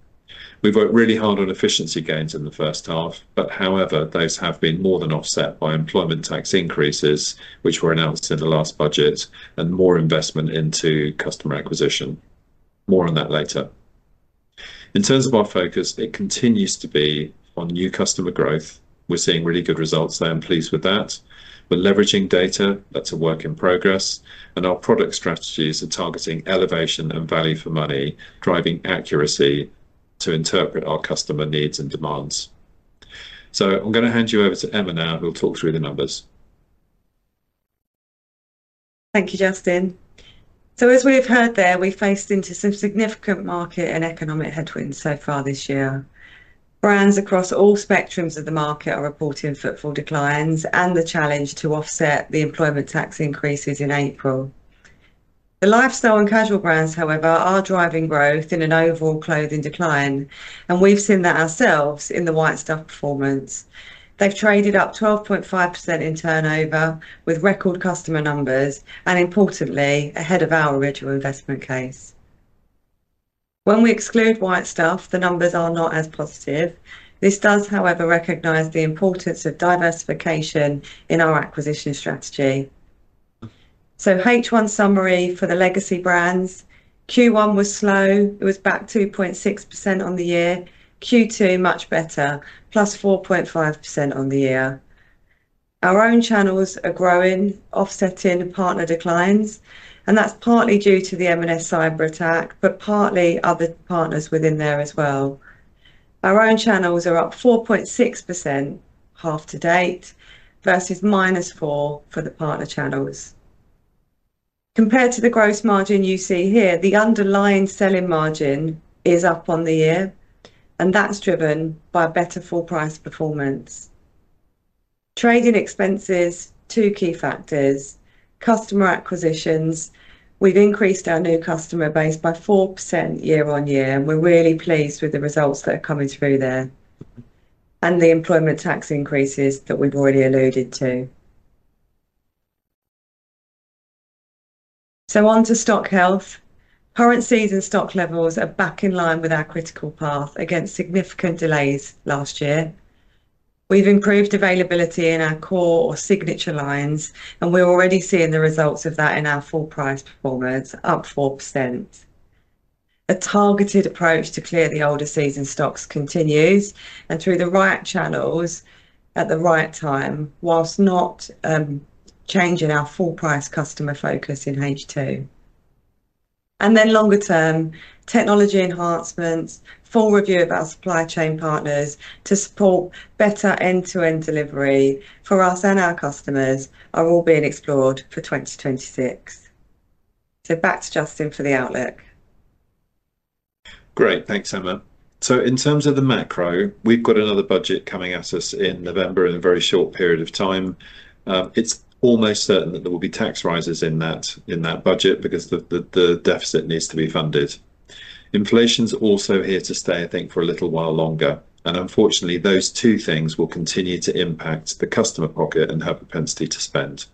We've worked really hard on efficiency gains in the first half, but however, those have been more than offset by employment tax increases, which were announced in the last budget, and more investment into customer acquisition. More on that later. In terms of our focus, it continues to be on new customer growth. We're seeing really good results there. I'm pleased with that. We're leveraging data. That's a work in progress, and our product strategies are targeting elevation and value for money, driving accuracy to interpret our customer needs and demands. I'm going to hand you over to Emma now, who will talk through the numbers. Thank you, Justin. As we've heard there, we faced into some significant market and economic headwinds so far this year. Brands across all spectrums of the market are reporting footfall declines and the challenge to offset the employment tax increases in April. The lifestyle and casual brands, however, are driving growth in an overall clothing decline, and we've seen that ourselves in the White Stuff performance. They've traded up 12.5% in turnover, with record customer numbers and, importantly, ahead of our original investment case. When we exclude White Stuff, the numbers are not as positive. This does, however, recognize the importance of diversification in our acquisition strategy. H1 summary for the legacy brands: Q1 was slow. It was back 2.6% on the year. Q2 much better, plus 4.5% on the year. Our own channels are growing, offsetting partner declines, and that's partly due to the Marks & Spencer cyber attack, but partly other partners within there as well. Our own channels are up 4.6% half to date versus minus 4% for the partner channels. Compared to the gross margin you see here, the underlying selling margin is up on the year, and that's driven by better full price performance. Trading expenses, two key factors, customer acquisitions. We've increased our new customer base by 4% year on year, and we're really pleased with the results that are coming through there and the employment tax increases that we've already alluded to. On to stock health. Currencies and stock levels are back in line with our critical path against significant delays last year. We've improved availability in our core or signature lines, and we're already seeing the results of that in our full price performance, up 4%. A targeted approach to clear the older season stocks continues and through the right channels at the right time, whilst not changing our full price customer focus in H2. Then longer-term technology enhancements, full review of our supply chain partners to support better end-to-end delivery for us and our customers are all being explored for 2026. Back to Justin for the outlook. Great, thanks, Emma. In terms of the macro, we've got another budget coming at us in November in a very short period of time. It's almost certain that there will be tax rises in that budget because the deficit needs to be funded. Inflation's also here to stay, I think, for a little while longer, and unfortunately, those two things will continue to impact the customer pocket and have a propensity to spend.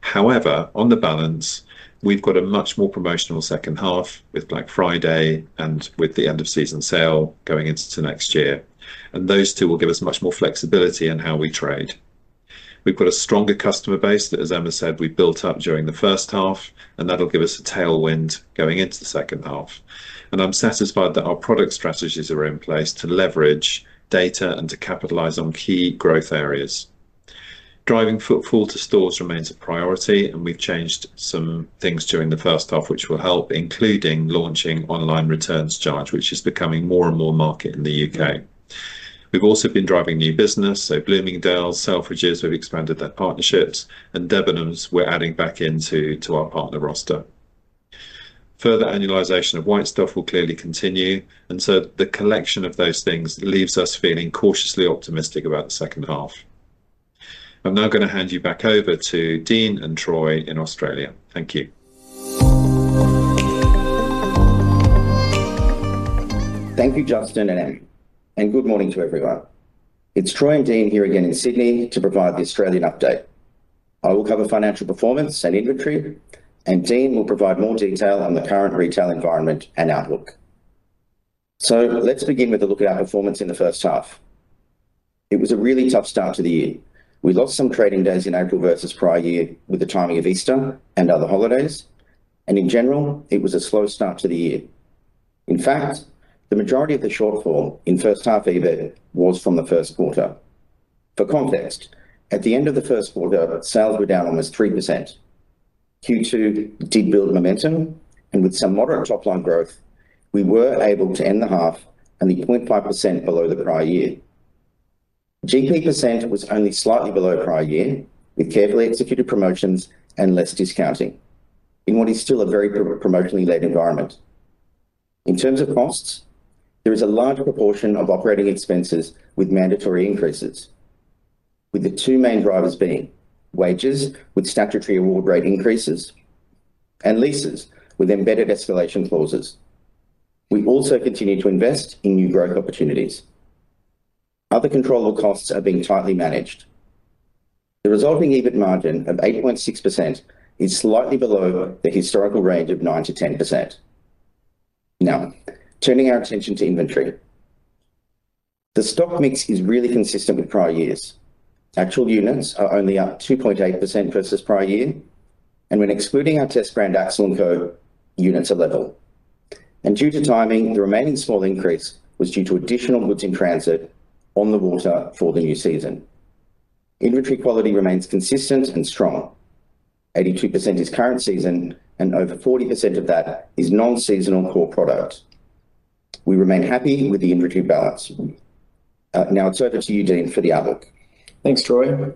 However, on the balance, we've got a much more promotional second half with Black Friday and with the end-of-season sale going into next year, and those two will give us much more flexibility in how we trade. We've got a stronger customer base that, as Emma said, we built up during the first half, and that'll give us a tailwind going into the second half. I'm satisfied that our product strategies are in place to leverage data and to capitalize on key growth areas. Driving footfall to stores remains a priority, and we've changed some things during the first half, which will help, including launching online returns charge, which is becoming more and more market in the U.K. We've also been driving new business, so Bloomingdale's, Selfridges, we've expanded their partnerships, and Debenhams we're adding back into our partner roster. Further annualization of White Stuff will clearly continue, and so the collection of those things leaves us feeling cautiously optimistic about the second half. I'm now going to hand you back over to Dean and Troy in Australia. Thank you. Thank you, Justin and Emma, and good morning to everyone. It is Troy and Dean here again in Sydney to provide the Australian update. I will cover financial performance and inventory, and Dean will provide more detail on the current retail environment and outlook. Let us begin with a look at our performance in the first half. It was a really tough start to the year. We lost some trading days in April versus prior year with the timing of Easter and other holidays, and in general, it was a slow start to the year. In fact, the majority of the shortfall in first half EBIT was from the first quarter. For context, at the end of the first quarter, sales were down almost 3%. Q2 did build momentum, and with some moderate top-line growth, we were able to end the half and the 0.5% below the prior year. GP% was only slightly below prior year with carefully executed promotions and less discounting in what is still a very promotionally-led environment. In terms of costs, there is a large proportion of operating expenses with mandatory increases, with the two main drivers being wages with statutory award rate increases and leases with embedded escalation clauses. We also continue to invest in new growth opportunities. Other controllable costs are being tightly managed. The resulting EBIT margin of 8.6% is slightly below the historical range of 9%-10%. Now, turning our attention to inventory. The stock mix is really consistent with prior years. Actual units are only up 2.8% versus prior year, and when excluding our test brand Axel & Co., units are level. Due to timing, the remaining small increase was due to additional goods in transit on the water for the new season. Inventory quality remains consistent and strong. 82% is current season, and over 40% of that is non-seasonal core product. We remain happy with the inventory balance. Now it's over to you, Dean, for the outlook. Thanks, Troy.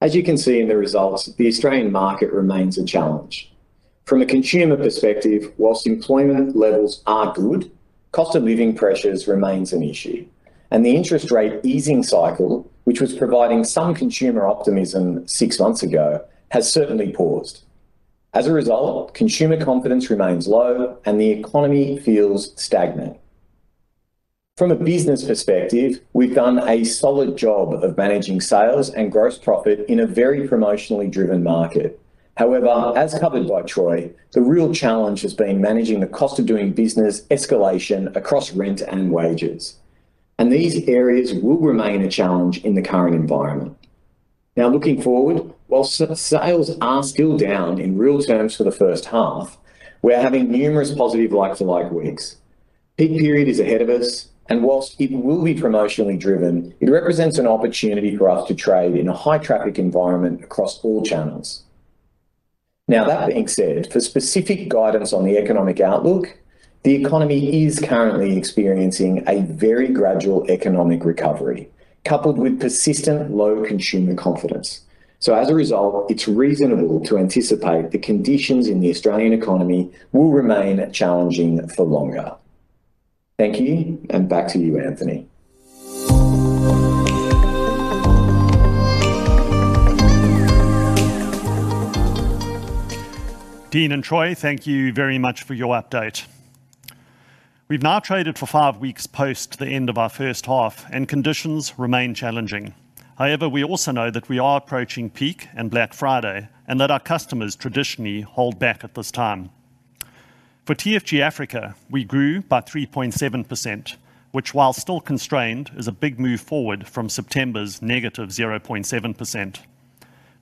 As you can see in the results, the Australian market remains a challenge. From a consumer perspective, whilst employment levels are good, cost of living pressures remains an issue, and the interest rate easing cycle, which was providing some consumer optimism six months ago, has certainly paused. As a result, consumer confidence remains low, and the economy feels stagnant. From a business perspective, we've done a solid job of managing sales and gross profit in a very promotionally driven market. However, as covered by Troy, the real challenge has been managing the cost of doing business escalation across rent and wages, and these areas will remain a challenge in the current environment. Now, looking forward, whilst sales are still down in real terms for the first half, we're having numerous positive like-to-like weeks. Peak period is ahead of us, and whilst it will be promotionally driven, it represents an opportunity for us to trade in a high-traffic environment across all channels. That being said, for specific guidance on the economic outlook, the economy is currently experiencing a very gradual economic recovery, coupled with persistent low consumer confidence. As a result, it's reasonable to anticipate the conditions in the Australian economy will remain challenging for longer. Thank you, and back to you, Anthony. Dean and Troy, thank you very much for your update. We've now traded for five weeks post the end of our first half, and conditions remain challenging. However, we also know that we are approaching peak and Black Friday and that our customers traditionally hold back at this time. For TFG Africa, we grew by 3.7%, which, while still constrained, is a big move forward from September's negative 0.7%.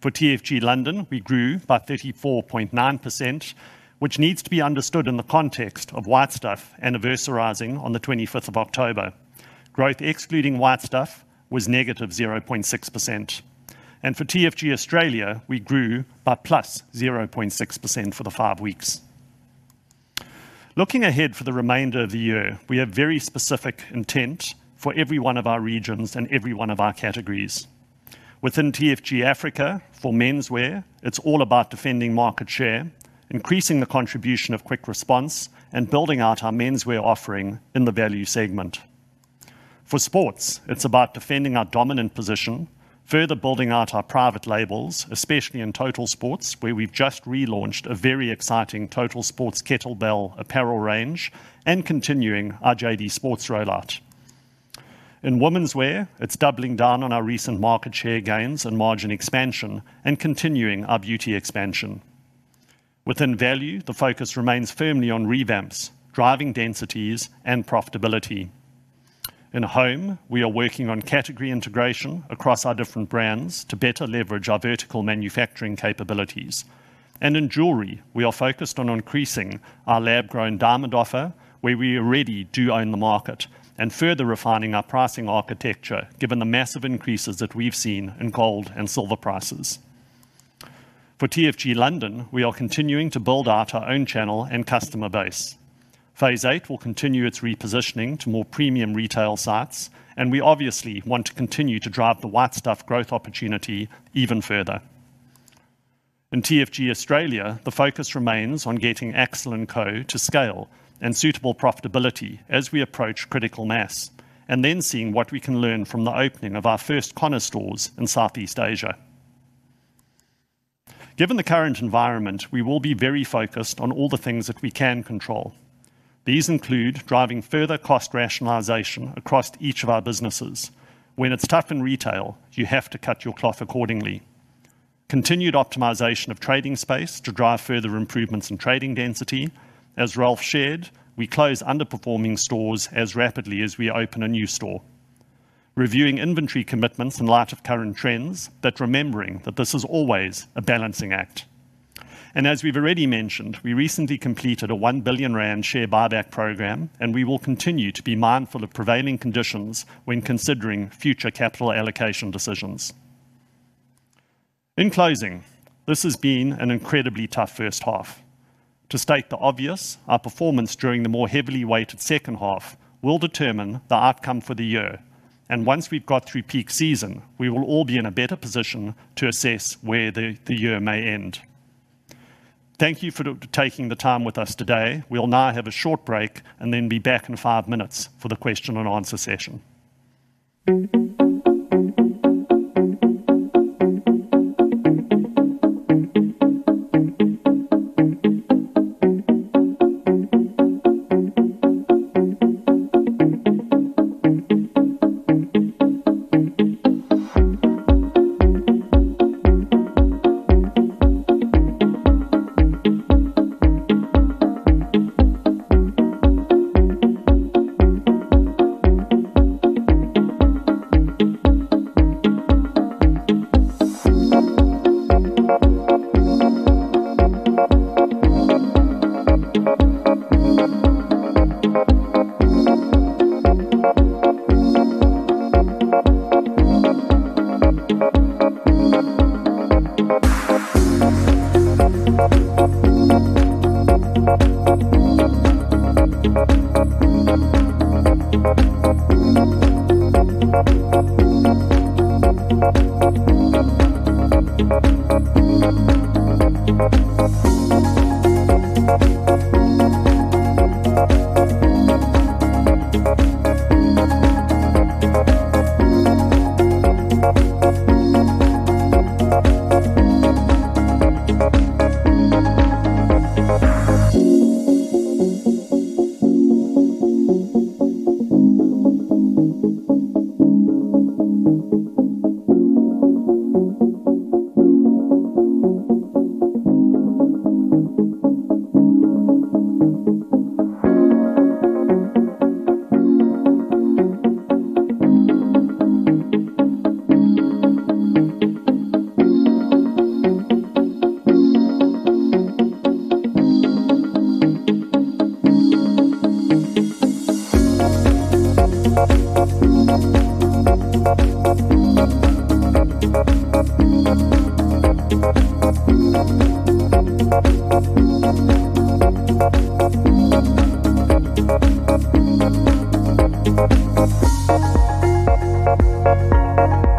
For TFG London, we grew by 34.9%, which needs to be understood in the context of White Stuff anniversarizing on the 25th of October. Growth excluding White Stuff was negative 0.6%. For TFG Australia, we grew by plus 0.6% for the five weeks. Looking ahead for the remainder of the year, we have very specific intent for every one of our regions and every one of our categories. Within TFG Africa, for menswear, it is all about defending market share, increasing the contribution of quick response, and building out our menswear offering in the value segment. For sports, it's about defending our dominant position, further building out our private labels, especially in Total Sports, where we've just relaunched a very exciting Total Sports Kettlebell Apparel range and continuing our JD Sports rollout. In womenswear, it's doubling down on our recent market share gains and margin expansion and continuing our beauty expansion. Within value, the focus remains firmly on revamps, driving densities, and profitability. In home, we are working on category integration across our different brands to better leverage our vertical manufacturing capabilities. In jewelry, we are focused on increasing our lab-grown diamond offer, where we already do own the market, and further refining our pricing architecture given the massive increases that we've seen in gold and silver prices. For TFG London, we are continuing to build out our own channel and customer base. Phase 8 will continue its repositioning to more premium retail sites, and we obviously want to continue to drive the White Stuff growth opportunity even further. In TFG Australia, the focus remains on getting Axel & Co. to scale and suitable profitability as we approach critical mass, and then seeing what we can learn from the opening of our first Connor stores in Southeast Asia. Given the current environment, we will be very focused on all the things that we can control. These include driving further cost rationalization across each of our businesses. When it's tough in retail, you have to cut your cloth accordingly. Continued optimization of trading space to drive further improvements in trading density. As Ralph shared, we close underperforming stores as rapidly as we open a new store. Reviewing inventory commitments in light of current trends, but remembering that this is always a balancing act. As we've already mentioned, we recently completed a 1 billion rand share buyback program, and we will continue to be mindful of prevailing conditions when considering future capital allocation decisions. In closing, this has been an incredibly tough first half. To state the obvious, our performance during the more heavily weighted second half will determine the outcome for the year, and once we've got through peak season, we will all be in a better position to assess where the year may end. Thank you for taking the time with us today. We'll now have a short break and then be back in five minutes for the question and answer session. Does this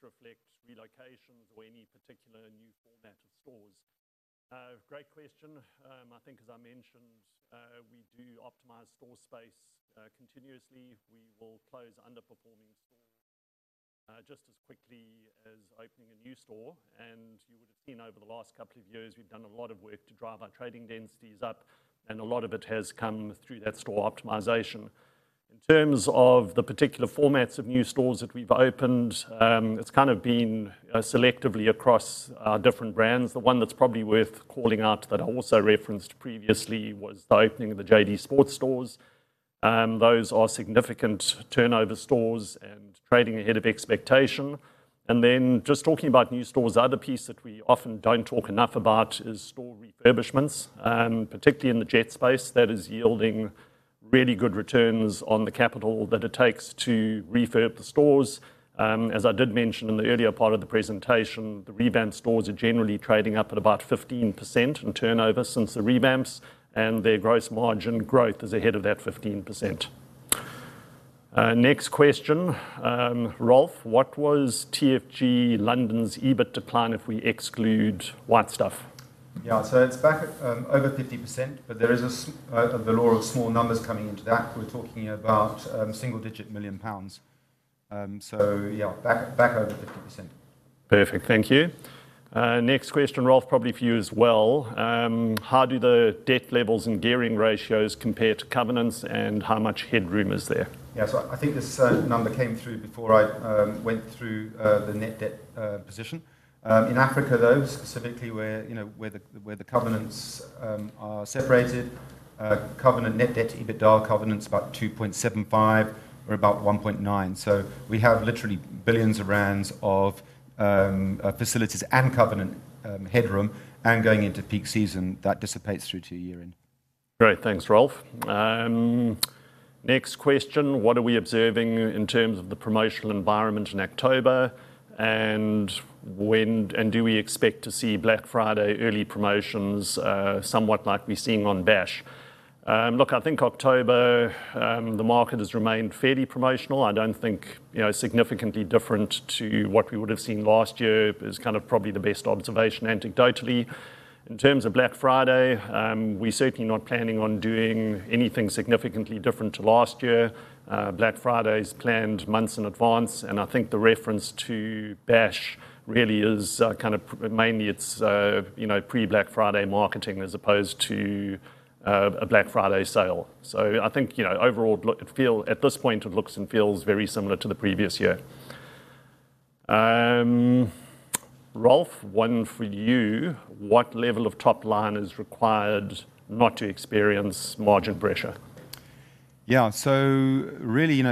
reflect relocations or any particular new format of stores? Great question. I think, as I mentioned, we do optimize store space continuously. We will close underperforming stores just as quickly as opening a new store. You would have seen over the last couple of years, we've done a lot of work to drive our trading densities up, and a lot of it has come through that store optimization. In terms of the particular formats of new stores that we've opened, it's kind of been selectively across our different brands. The one that's probably worth calling out that I also referenced previously was the opening of the JD Sports stores. Those are significant turnover stores and trading ahead of expectation. Just talking about new stores, the other piece that we often don't talk enough about is store refurbishments, particularly in the Jet space that is yielding really good returns on the capital that it takes to refurb the stores. As I did mention in the earlier part of the presentation, the revamped stores are generally trading up at about 15% in turnover since the revamps, and their gross margin growth is ahead of that 15%. Next question, Ralph, what was TFG London's EBITDA plan if we exclude White Stuff? Yeah, so it's back over 50%, but there is the law of small numbers coming into that. We're talking about single-digit million GBP. So yeah, back over 50%. Perfect, thank you. Next question, Ralph, probably for you as well. How do the debt levels and gearing ratios compare to covenants and how much headroom is there? Yeah, so I think this number came through before I went through the net debt position. In Africa, though, specifically where the covenants are separated, covenant net debt EBITDA covenants, about 2.75 or about 1.9. We have literally billions of ZAR of facilities and covenant headroom, and going into peak season, that dissipates through to year end. Great, thanks, Ralph. Next question, what are we observing in terms of the promotional environment in October? Do we expect to see Black Friday early promotions somewhat like we're seeing on Bash? Look, I think October the market has remained fairly promotional. I do not think significantly different to what we would have seen last year is kind of probably the best observation anecdotally. In terms of Black Friday, we are certainly not planning on doing anything significantly different to last year. Black Friday is planned months in advance, and I think the reference to Bash really is kind of mainly its pre-Black Friday marketing as opposed to a Black Friday sale. I think overall, at this point, it looks and feels very similar to the previous year. Ralph, one for you, what level of top line is required not to experience margin pressure? Yeah, so really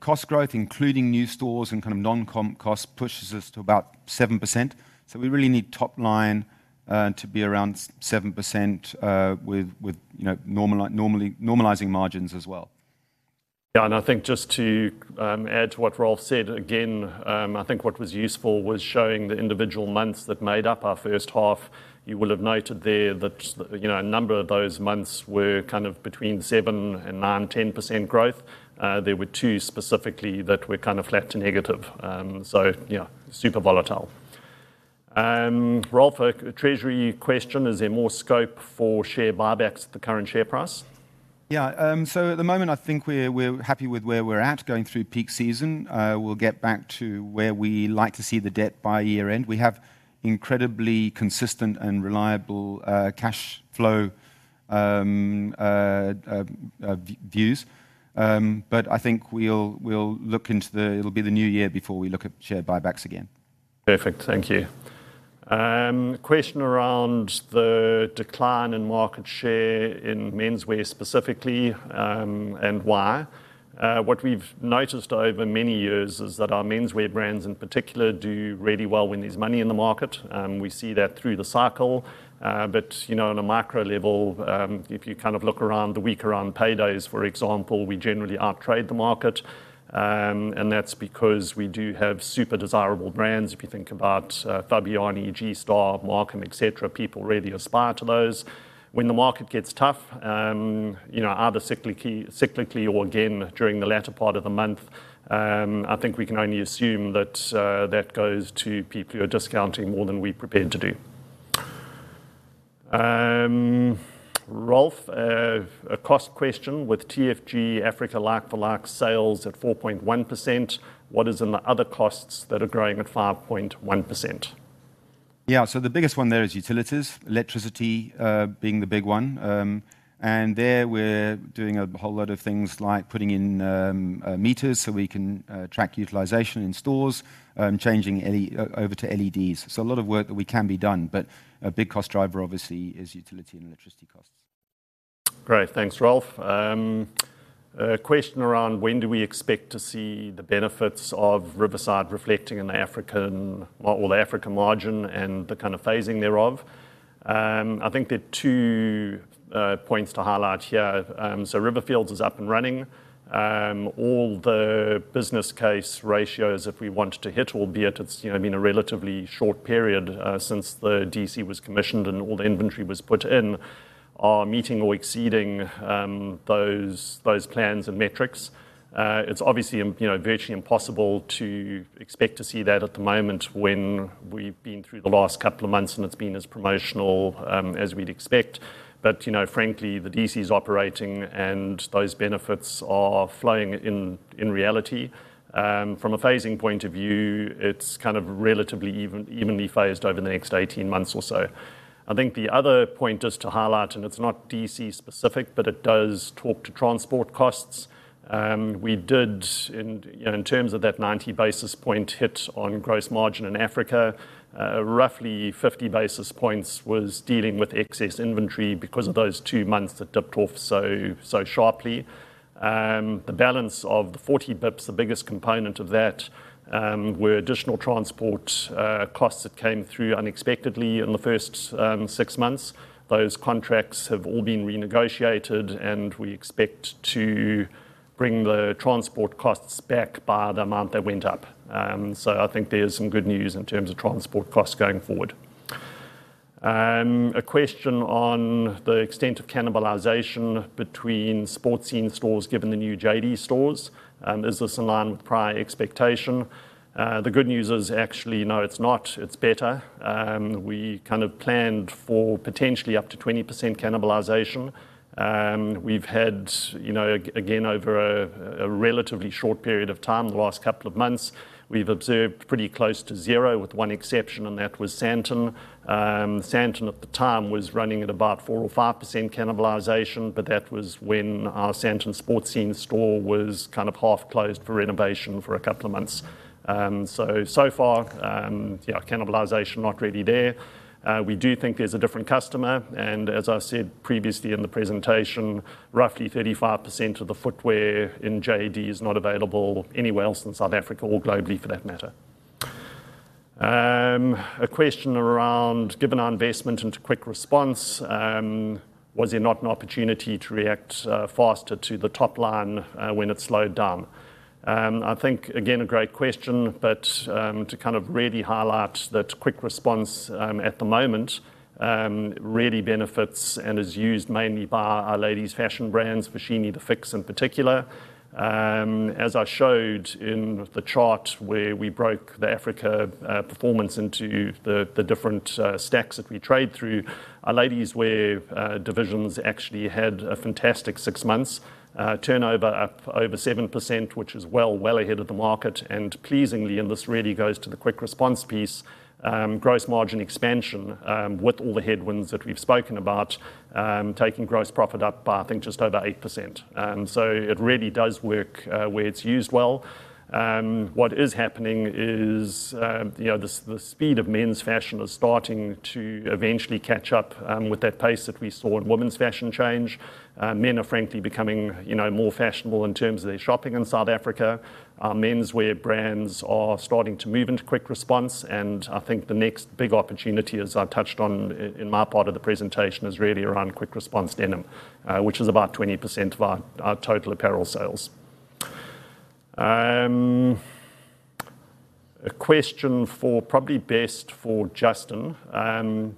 cost growth, including new stores and kind of non-comp costs, pushes us to about 7%. We really need top line to be around 7% with normalizing margins as well. I think just to add to what Ralph said, again, I think what was useful was showing the individual months that made up our first half. You will have noted there that a number of those months were kind of between 7% and 9%-10% growth. There were two specifically that were kind of flat to negative. Yeah, super volatile. Ralph, a treasury question, is there more scope for share buybacks at the current share price? Yeah, so at the moment, I think we're happy with where we're at going through peak season. We'll get back to where we like to see the debt by year end. We have incredibly consistent and reliable cash flow views, but I think we'll look into the it'll be the new year before we look at share buybacks again. Perfect, thank you. Question around the decline in market share in menswear specifically and why. What we've noticed over many years is that our menswear brands in particular do really well when there's money in the market. We see that through the cycle. If you kind of look around the week around paydays, for example, we generally outtrade the market. That's because we do have super desirable brands. If you think about Fabiani, G-Star, Markham, etc., people really aspire to those. When the market gets tough, either cyclically or again during the latter part of the month, I think we can only assume that that goes to people who are discounting more than we are prepared to do. Ralph, a cost question with TFG Africa like-for-like sales at 4.1%. What is in the other costs that are growing at 5.1%? Yeah, so the biggest one there is utilities, electricity being the big one. There we are doing a whole lot of things like putting in meters so we can track utilization in stores, changing over to LEDs. A lot of work that we can be done, but a big cost driver obviously is utility and electricity costs. Great, thanks, Ralph. A question around when do we expect to see the benefits of Riverside reflecting in the African margin and the kind of phasing thereof. I think there are two points to highlight here. Riverfields is up and running. All the business case ratios, if we want to hit, albeit it's been a relatively short period since the DC was commissioned and all the inventory was put in, are meeting or exceeding those plans and metrics. It's obviously virtually impossible to expect to see that at the moment when we've been through the last couple of months and it's been as promotional as we'd expect. Frankly, the DC is operating and those benefits are flowing in reality. From a phasing point of view, it's kind of relatively evenly phased over the next 18 months or so. I think the other point is to highlight, and it's not DC specific, but it does talk to transport costs. We did, in terms of that 90 basis point hit on gross margin in Africa, roughly 50 basis points was dealing with excess inventory because of those two months that dipped off so sharply. The balance of the 40 basis points, the biggest component of that, were additional transport costs that came through unexpectedly in the first six months. Those contracts have all been renegotiated, and we expect to bring the transport costs back by the amount they went up. I think there's some good news in terms of transport costs going forward. A question on the extent of cannibalization between Sports Scene stores given the new JD Sports stores. Is this in line with prior expectation? The good news is actually, no, it's not. It's better. We kind of planned for potentially up to 20% cannibalization. We've had, again, over a relatively short period of time, the last couple of months, we've observed pretty close to zero with one exception, and that was Sandton. Sandton at the time was running at about 4% or 5% cannibalization, but that was when our Sandton Sports Scene store was kind of half closed for renovation for a couple of months. So far, cannibalization not really there. We do think there's a different customer. And as I said previously in the presentation, roughly 35% of the footwear in JD is not available anywhere else in South Africa or globally for that matter. A question around, given our investment into quick response, was there not an opportunity to react faster to the top line when it slowed down? I think, again, a great question, but to kind of really highlight that quick response at the moment really benefits and is used mainly by our ladies' fashion brands, Fashini, LeFix in particular. As I showed in the chart where we broke the Africa performance into the different stacks that we trade through, our ladies' wear divisions actually had a fantastic six months, turnover up over 7%, which is well, well ahead of the market. Pleasingly, and this really goes to the quick response piece, gross margin expansion with all the headwinds that we've spoken about, taking gross profit up by, I think, just over 8%. It really does work where it's used well. What is happening is the speed of men's fashion is starting to eventually catch up with that pace that we saw in women's fashion change. Men are frankly becoming more fashionable in terms of their shopping in South Africa. Our menswear brands are starting to move into quick response. I think the next big opportunity, as I touched on in my part of the presentation, is really around quick response denim, which is about 20% of our total apparel sales. A question for probably best for Justin.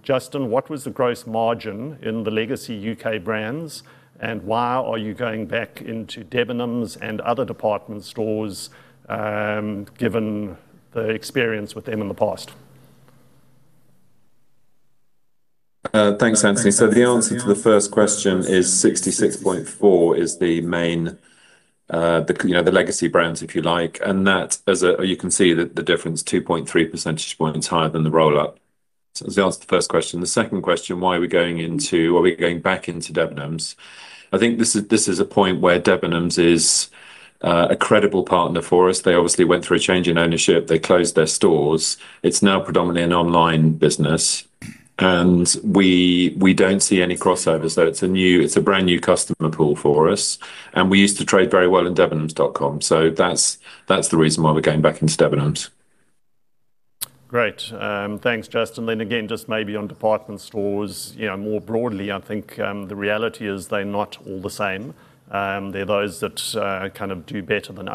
Justin, what was the gross margin in the legacy U.K. brands, and why are you going back into denims and other department stores given the experience with them in the past? Thanks, Anthony. The answer to the first question is 66.4% is the main legacy brands, if you like. That, as you can see, the difference is 2.3 percentage points higher than the roll-up. That was the answer to the first question. The second question, why are we going into why are we going back into denims? I think this is a point where denims is a credible partner for us. They obviously went through a change in ownership. They closed their stores. It's now predominantly an online business. We don't see any crossovers, though. It's a brand new customer pool for us. We used to trade very well in denims.com. That's the reason why we're going back into denims. Great. Thanks, Justin. Just maybe on department stores more broadly, I think the reality is they're not all the same. There are those that kind of do better than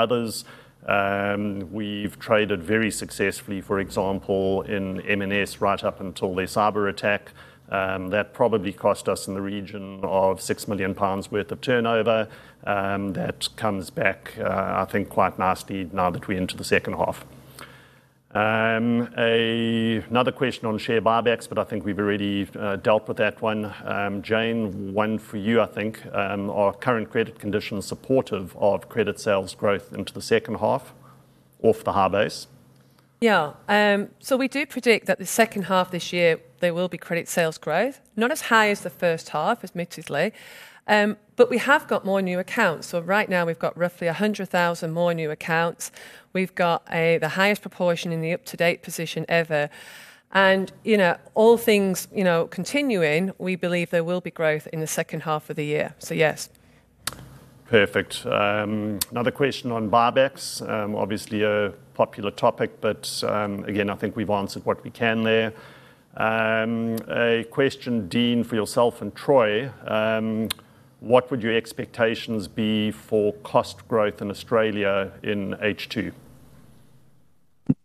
others. We've traded very successfully, for example, in M&S right up until their cyber attack. That probably cost us in the region of 6 million pounds worth of turnover that comes back, I think, quite nicely now that we enter the second half. Another question on share buybacks, but I think we've already dealt with that one. Jane, one for you, I think. Are current credit conditions supportive of credit sales growth into the second half off the high base? Yeah. So we do predict that the second half this year, there will be credit sales growth, not as high as the first half, admittedly. We have got more new accounts. Right now, we've got roughly 100,000 more new accounts. We've got the highest proportion in the up-to-date position ever. All things continuing, we believe there will be growth in the second half of the year. Yes. Perfect. Another question on buybacks. Obviously, a popular topic, but again, I think we've answered what we can there. A question, Dean, for yourself and Troy. What would your expectations be for cost growth in Australia in H2?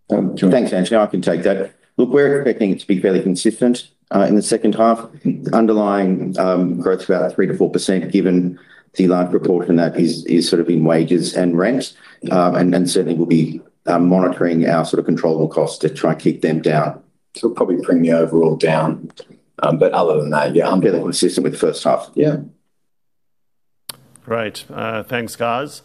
Thanks, Anthony. I can take that. Look, we're expecting it to be fairly consistent in the second half. Underlying growth is about 3%-4% given the large proportion that is sort of in wages and rent. Certainly, we'll be monitoring our sort of controllable costs to try and keep them down. Probably bring the overall down. Other than that, yeah, I'm fairly consistent with the first half. Yeah. Great. Thanks, guys.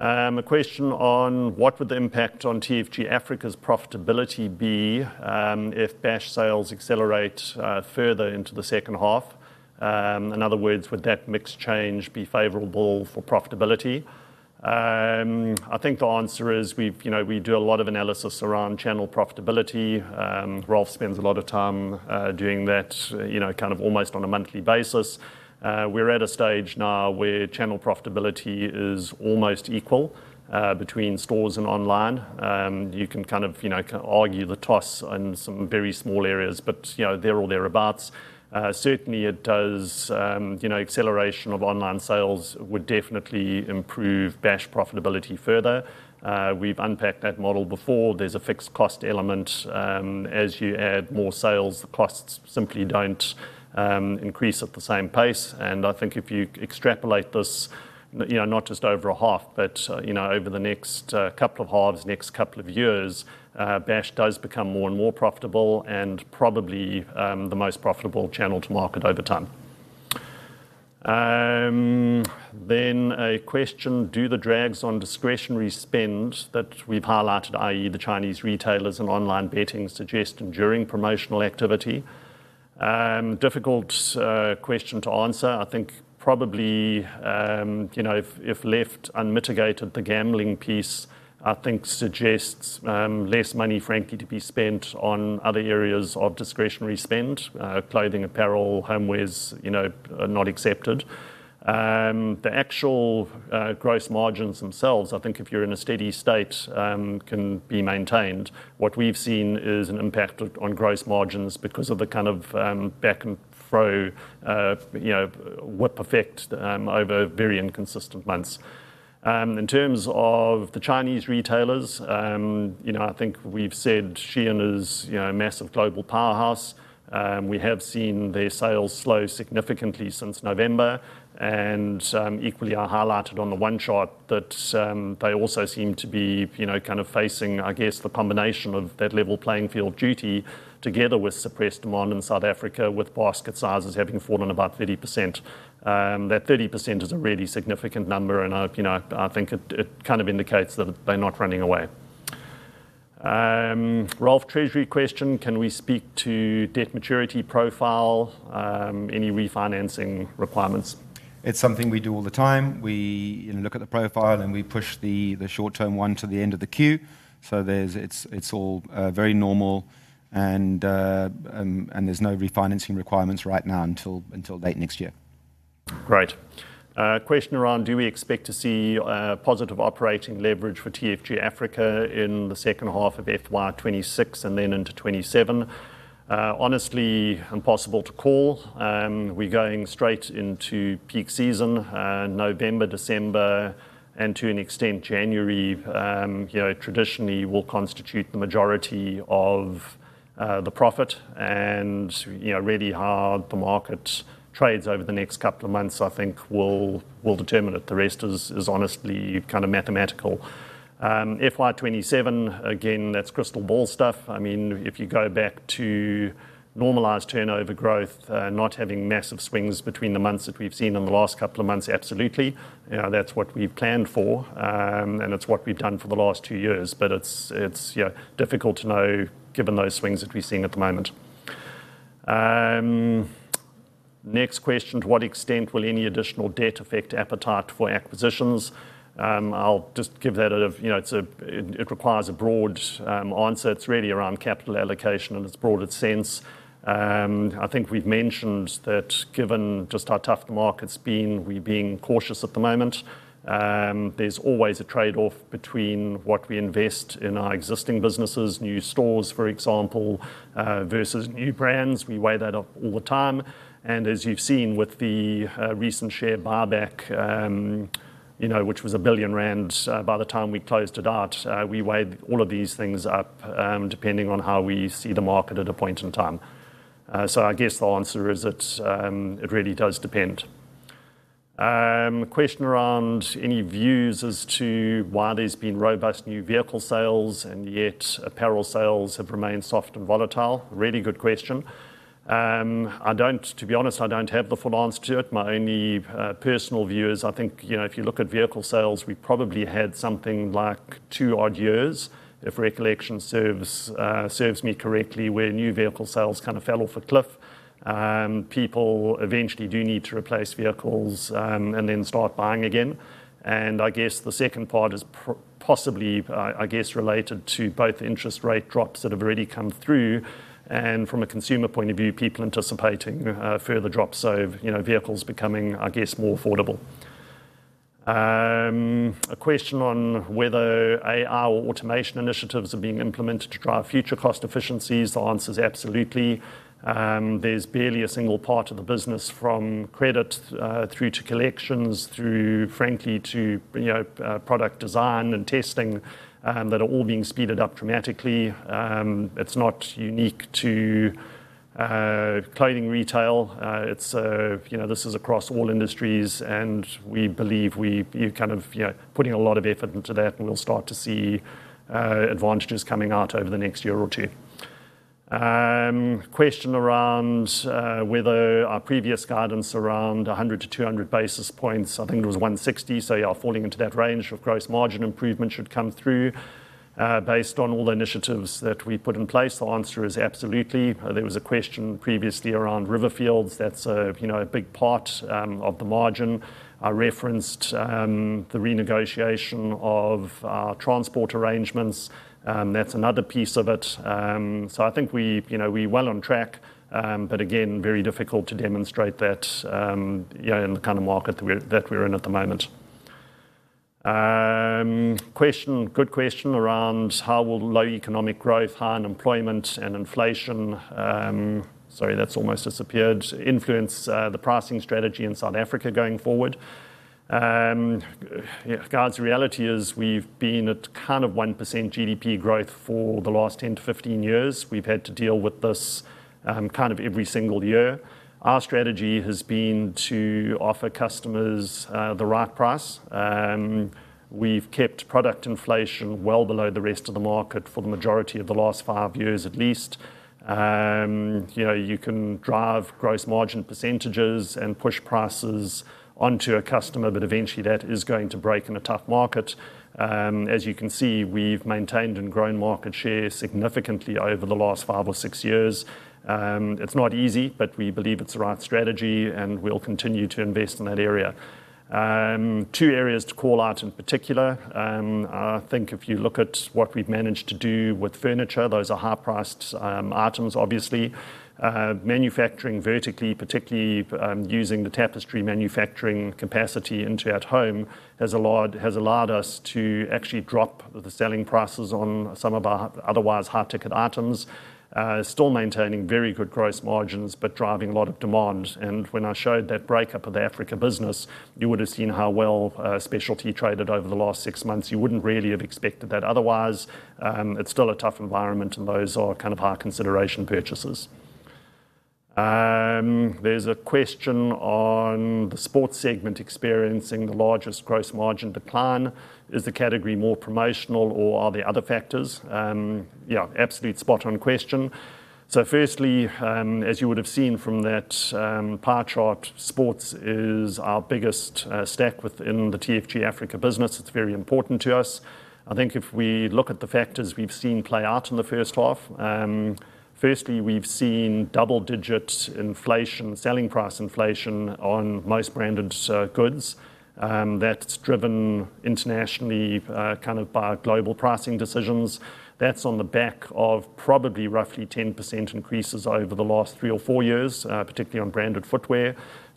A question on what would the impact on TFG Africa's profitability be if Bash sales accelerate further into the second half? In other words, would that mix change be favorable for profitability? I think the answer is we do a lot of analysis around channel profitability. Ralph spends a lot of time doing that kind of almost on a monthly basis. We're at a stage now where channel profitability is almost equal between stores and online. You can kind of argue the toss in some very small areas, but they're all thereabouts. Certainly, it does acceleration of online sales would definitely improve Bash profitability further. We've unpacked that model before. There's a fixed cost element. As you add more sales, the costs simply don't increase at the same pace. I think if you extrapolate this, not just over a half, but over the next couple of halves, next couple of years, Bash does become more and more profitable and probably the most profitable channel to market over time. A question, do the drags on discretionary spend that we've highlighted, i.e., the Chinese retailers and online betting suggest enduring promotional activity? Difficult question to answer. I think probably if left unmitigated, the gambling piece, I think, suggests less money, frankly, to be spent on other areas of discretionary spend. Clothing, apparel, homeware are not excepted. The actual gross margins themselves, I think if you're in a steady state, can be maintained. What we've seen is an impact on gross margins because of the kind of back-and-forth whip effect over very inconsistent months. In terms of the Chinese retailers, I think we've said Shein is a massive global powerhouse. We have seen their sales slow significantly since November. I highlighted on the one chart that they also seem to be kind of facing, I guess, the combination of that level playing field duty together with suppressed demand in South Africa, with basket sizes having fallen about 30%. That 30% is a really significant number. I think it kind of indicates that they're not running away. Ralph, treasury question. Can we speak to debt maturity profile, any refinancing requirements? It's something we do all the time. We look at the profile and we push the short-term one to the end of the queue. It is all very normal. There are no refinancing requirements right now until late next year. Great. Question around, do we expect to see positive operating leverage for TFG Africa in the second half of FY 2026 and then into 2027? Honestly, impossible to call. We are going straight into peak season, November, December, and to an extent, January. Traditionally, will constitute the majority of the profit. Really how the market trades over the next couple of months, I think, will determine it. The rest is honestly kind of mathematical. FY 2027, again, that is crystal ball stuff. I mean, if you go back to normalized turnover growth, not having massive swings between the months that we've seen in the last couple of months, absolutely. That is what we've planned for. It is what we've done for the last two years. It is difficult to know given those swings that we're seeing at the moment. Next question, to what extent will any additional debt affect appetite for acquisitions? I'll just give that a—it requires a broad answer. It is really around capital allocation in its broadest sense. I think we've mentioned that given just how tough the market's been, we're being cautious at the moment. There is always a trade-off between what we invest in our existing businesses, new stores, for example, versus new brands. We weigh that up all the time. As you have seen with the recent share buyback, which was 1 billion rand by the time we closed it out, we weighed all of these things up depending on how we see the market at a point in time. I guess the answer is that it really does depend. Question around any views as to why there has been robust new vehicle sales and yet apparel sales have remained soft and volatile. Really good question. To be honest, I do not have the full answer to it. My only personal view is I think if you look at vehicle sales, we probably had something like two odd years, if recollection serves me correctly, where new vehicle sales kind of fell off a cliff. People eventually do need to replace vehicles and then start buying again. I guess the second part is possibly, I guess, related to both interest rate drops that have already come through. From a consumer point of view, people anticipating further drops of vehicles becoming, I guess, more affordable. A question on whether AI or automation initiatives are being implemented to drive future cost efficiencies. The answer is absolutely. There's barely a single part of the business from credit through to collections, through, frankly, to product design and testing that are all being speeded up dramatically. It's not unique to clothing retail. This is across all industries. We believe we're kind of putting a lot of effort into that. We'll start to see advantages coming out over the next year or two. Question around whether our previous guidance around 100 to 200 basis points, I think it was 160. Yeah, falling into that range of gross margin improvement should come through based on all the initiatives that we put in place. The answer is absolutely. There was a question previously around Riverfields. That is a big part of the margin. I referenced the renegotiation of transport arrangements. That is another piece of it. I think we are well on track. Again, very difficult to demonstrate that in the kind of market that we are in at the moment. Good question around how will low economic growth, high unemployment, and inflation—sorry, that has almost disappeared—influence the pricing strategy in South Africa going forward? Guys, the reality is we have been at kind of 1% GDP growth for the last 10 to 15 years. We have had to deal with this kind of every single year. Our strategy has been to offer customers the right price. We've kept product inflation well below the rest of the market for the majority of the last five years, at least. You can drive gross margin percentages and push prices onto a customer, but eventually, that is going to break in a tough market. As you can see, we've maintained and grown market share significantly over the last five or six years. It's not easy, but we believe it's the right strategy. We will continue to invest in that area. Two areas to call out in particular. I think if you look at what we've managed to do with furniture, those are high-priced items, obviously. Manufacturing vertically, particularly using the tapestry manufacturing capacity into at home, has allowed us to actually drop the selling prices on some of our otherwise high-ticket items. Still maintaining very good gross margins, but driving a lot of demand. When I showed that breakup of the Africa business, you would have seen how well specialty traded over the last six months. You would not really have expected that otherwise. It is still a tough environment. Those are kind of high-consideration purchases. There is a question on the sports segment experiencing the largest gross margin decline. Is the category more promotional, or are there other factors? Yeah, absolute spot-on question. Firstly, as you would have seen from that pie chart, sports is our biggest stack within the TFG Africa business. It is very important to us. I think if we look at the factors we have seen play out in the first half, firstly, we have seen double-digit inflation, selling price inflation on most branded goods. That is driven internationally kind of by global pricing decisions. That's on the back of probably roughly 10% increases over the last three or four years, particularly on branded footwear.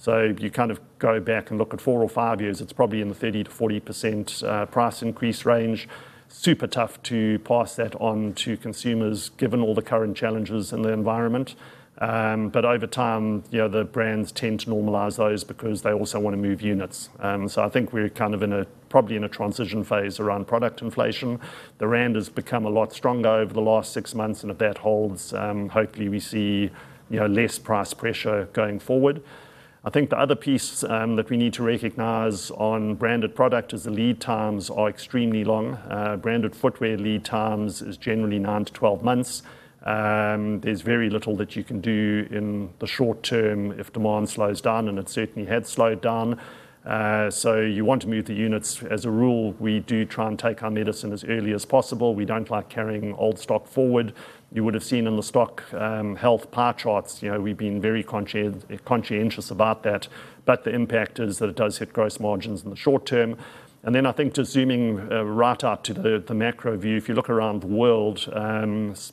If you kind of go back and look at four or five years, it's probably in the 30%-40% price increase range. Super tough to pass that on to consumers, given all the current challenges in the environment. Over time, the brands tend to normalize those because they also want to move units. I think we're kind of probably in a transition phase around product inflation. The rand has become a lot stronger over the last six months. If that holds, hopefully, we see less price pressure going forward. I think the other piece that we need to recognize on branded product is the lead times are extremely long. Branded footwear lead times is generally 9 to 12 months is very little that you can do in the short term if demand slows down. It certainly had slowed down. You want to move the units. As a rule, we do try and take our medicine as early as possible. We do not like carrying old stock forward. You would have seen in the stock health pie charts, we have been very conscientious about that. The impact is that it does hit gross margins in the short term. I think just zooming right out to the macro view, if you look around the world,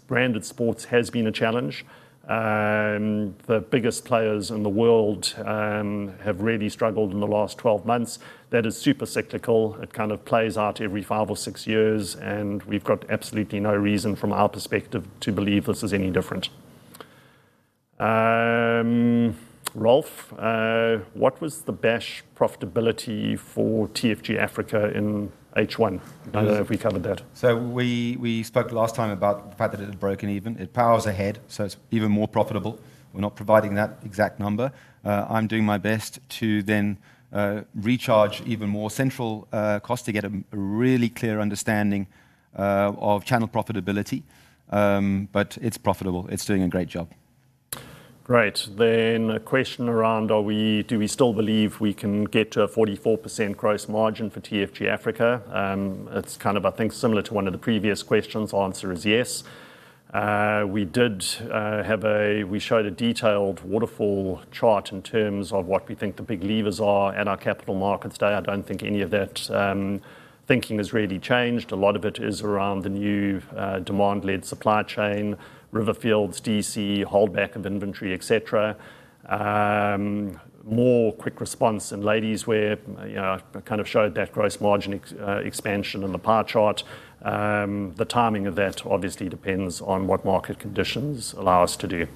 branded sports has been a challenge. The biggest players in the world have really struggled in the last 12 months. That is super cyclical. It kind of plays out every five or six years. We have absolutely no reason from our perspective to believe this is any different. Ralph, what was the Bash profitability for TFG Africa in H1? I don't know if we covered that. We spoke last time about the fact that it had broken even. It powers ahead. It is even more profitable. We are not providing that exact number. I am doing my best to then recharge even more central costs to get a really clear understanding of channel profitability. It is profitable. It is doing a great job. Great. A question around, do we still believe we can get to a 44% gross margin for TFG Africa? It is kind of, I think, similar to one of the previous questions. The answer is yes. We did have a—we showed a detailed waterfall chart in terms of what we think the big levers are at our capital markets today. I do not think any of that thinking has really changed. A lot of it is around the new demand-led supply chain, Riverfields DC, holdback of inventory, etc. More quick response in ladies' wear. I kind of showed that gross margin expansion in the pie chart. The timing of that obviously depends on what market conditions allow us to do.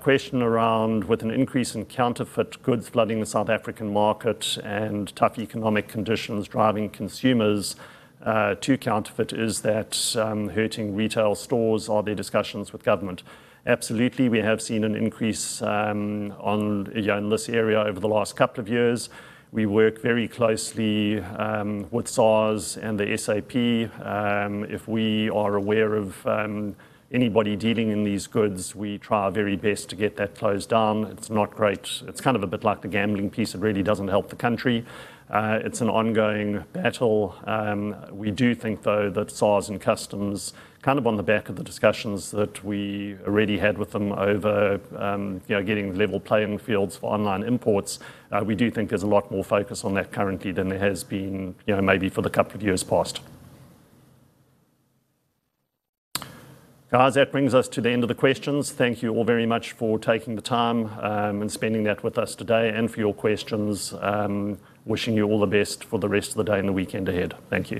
Question around, with an increase in counterfeit goods flooding the South African market and tough economic conditions driving consumers to counterfeit, is that hurting retail stores or their discussions with government? Absolutely. We have seen an increase in this area over the last couple of years. We work very closely with SARS and the SAP. If we are aware of anybody dealing in these goods, we try our very best to get that closed down. It's not great. It's kind of a bit like the gambling piece. It really doesn't help the country. It's an ongoing battle. We do think, though, that SARS and customs, kind of on the back of the discussions that we already had with them over getting level playing fields for online imports, we do think there's a lot more focus on that currently than there has been maybe for the couple of years past. Guys, that brings us to the end of the questions. Thank you all very much for taking the time and spending that with us today and for your questions. Wishing you all the best for the rest of the day and the weekend ahead. Thank you.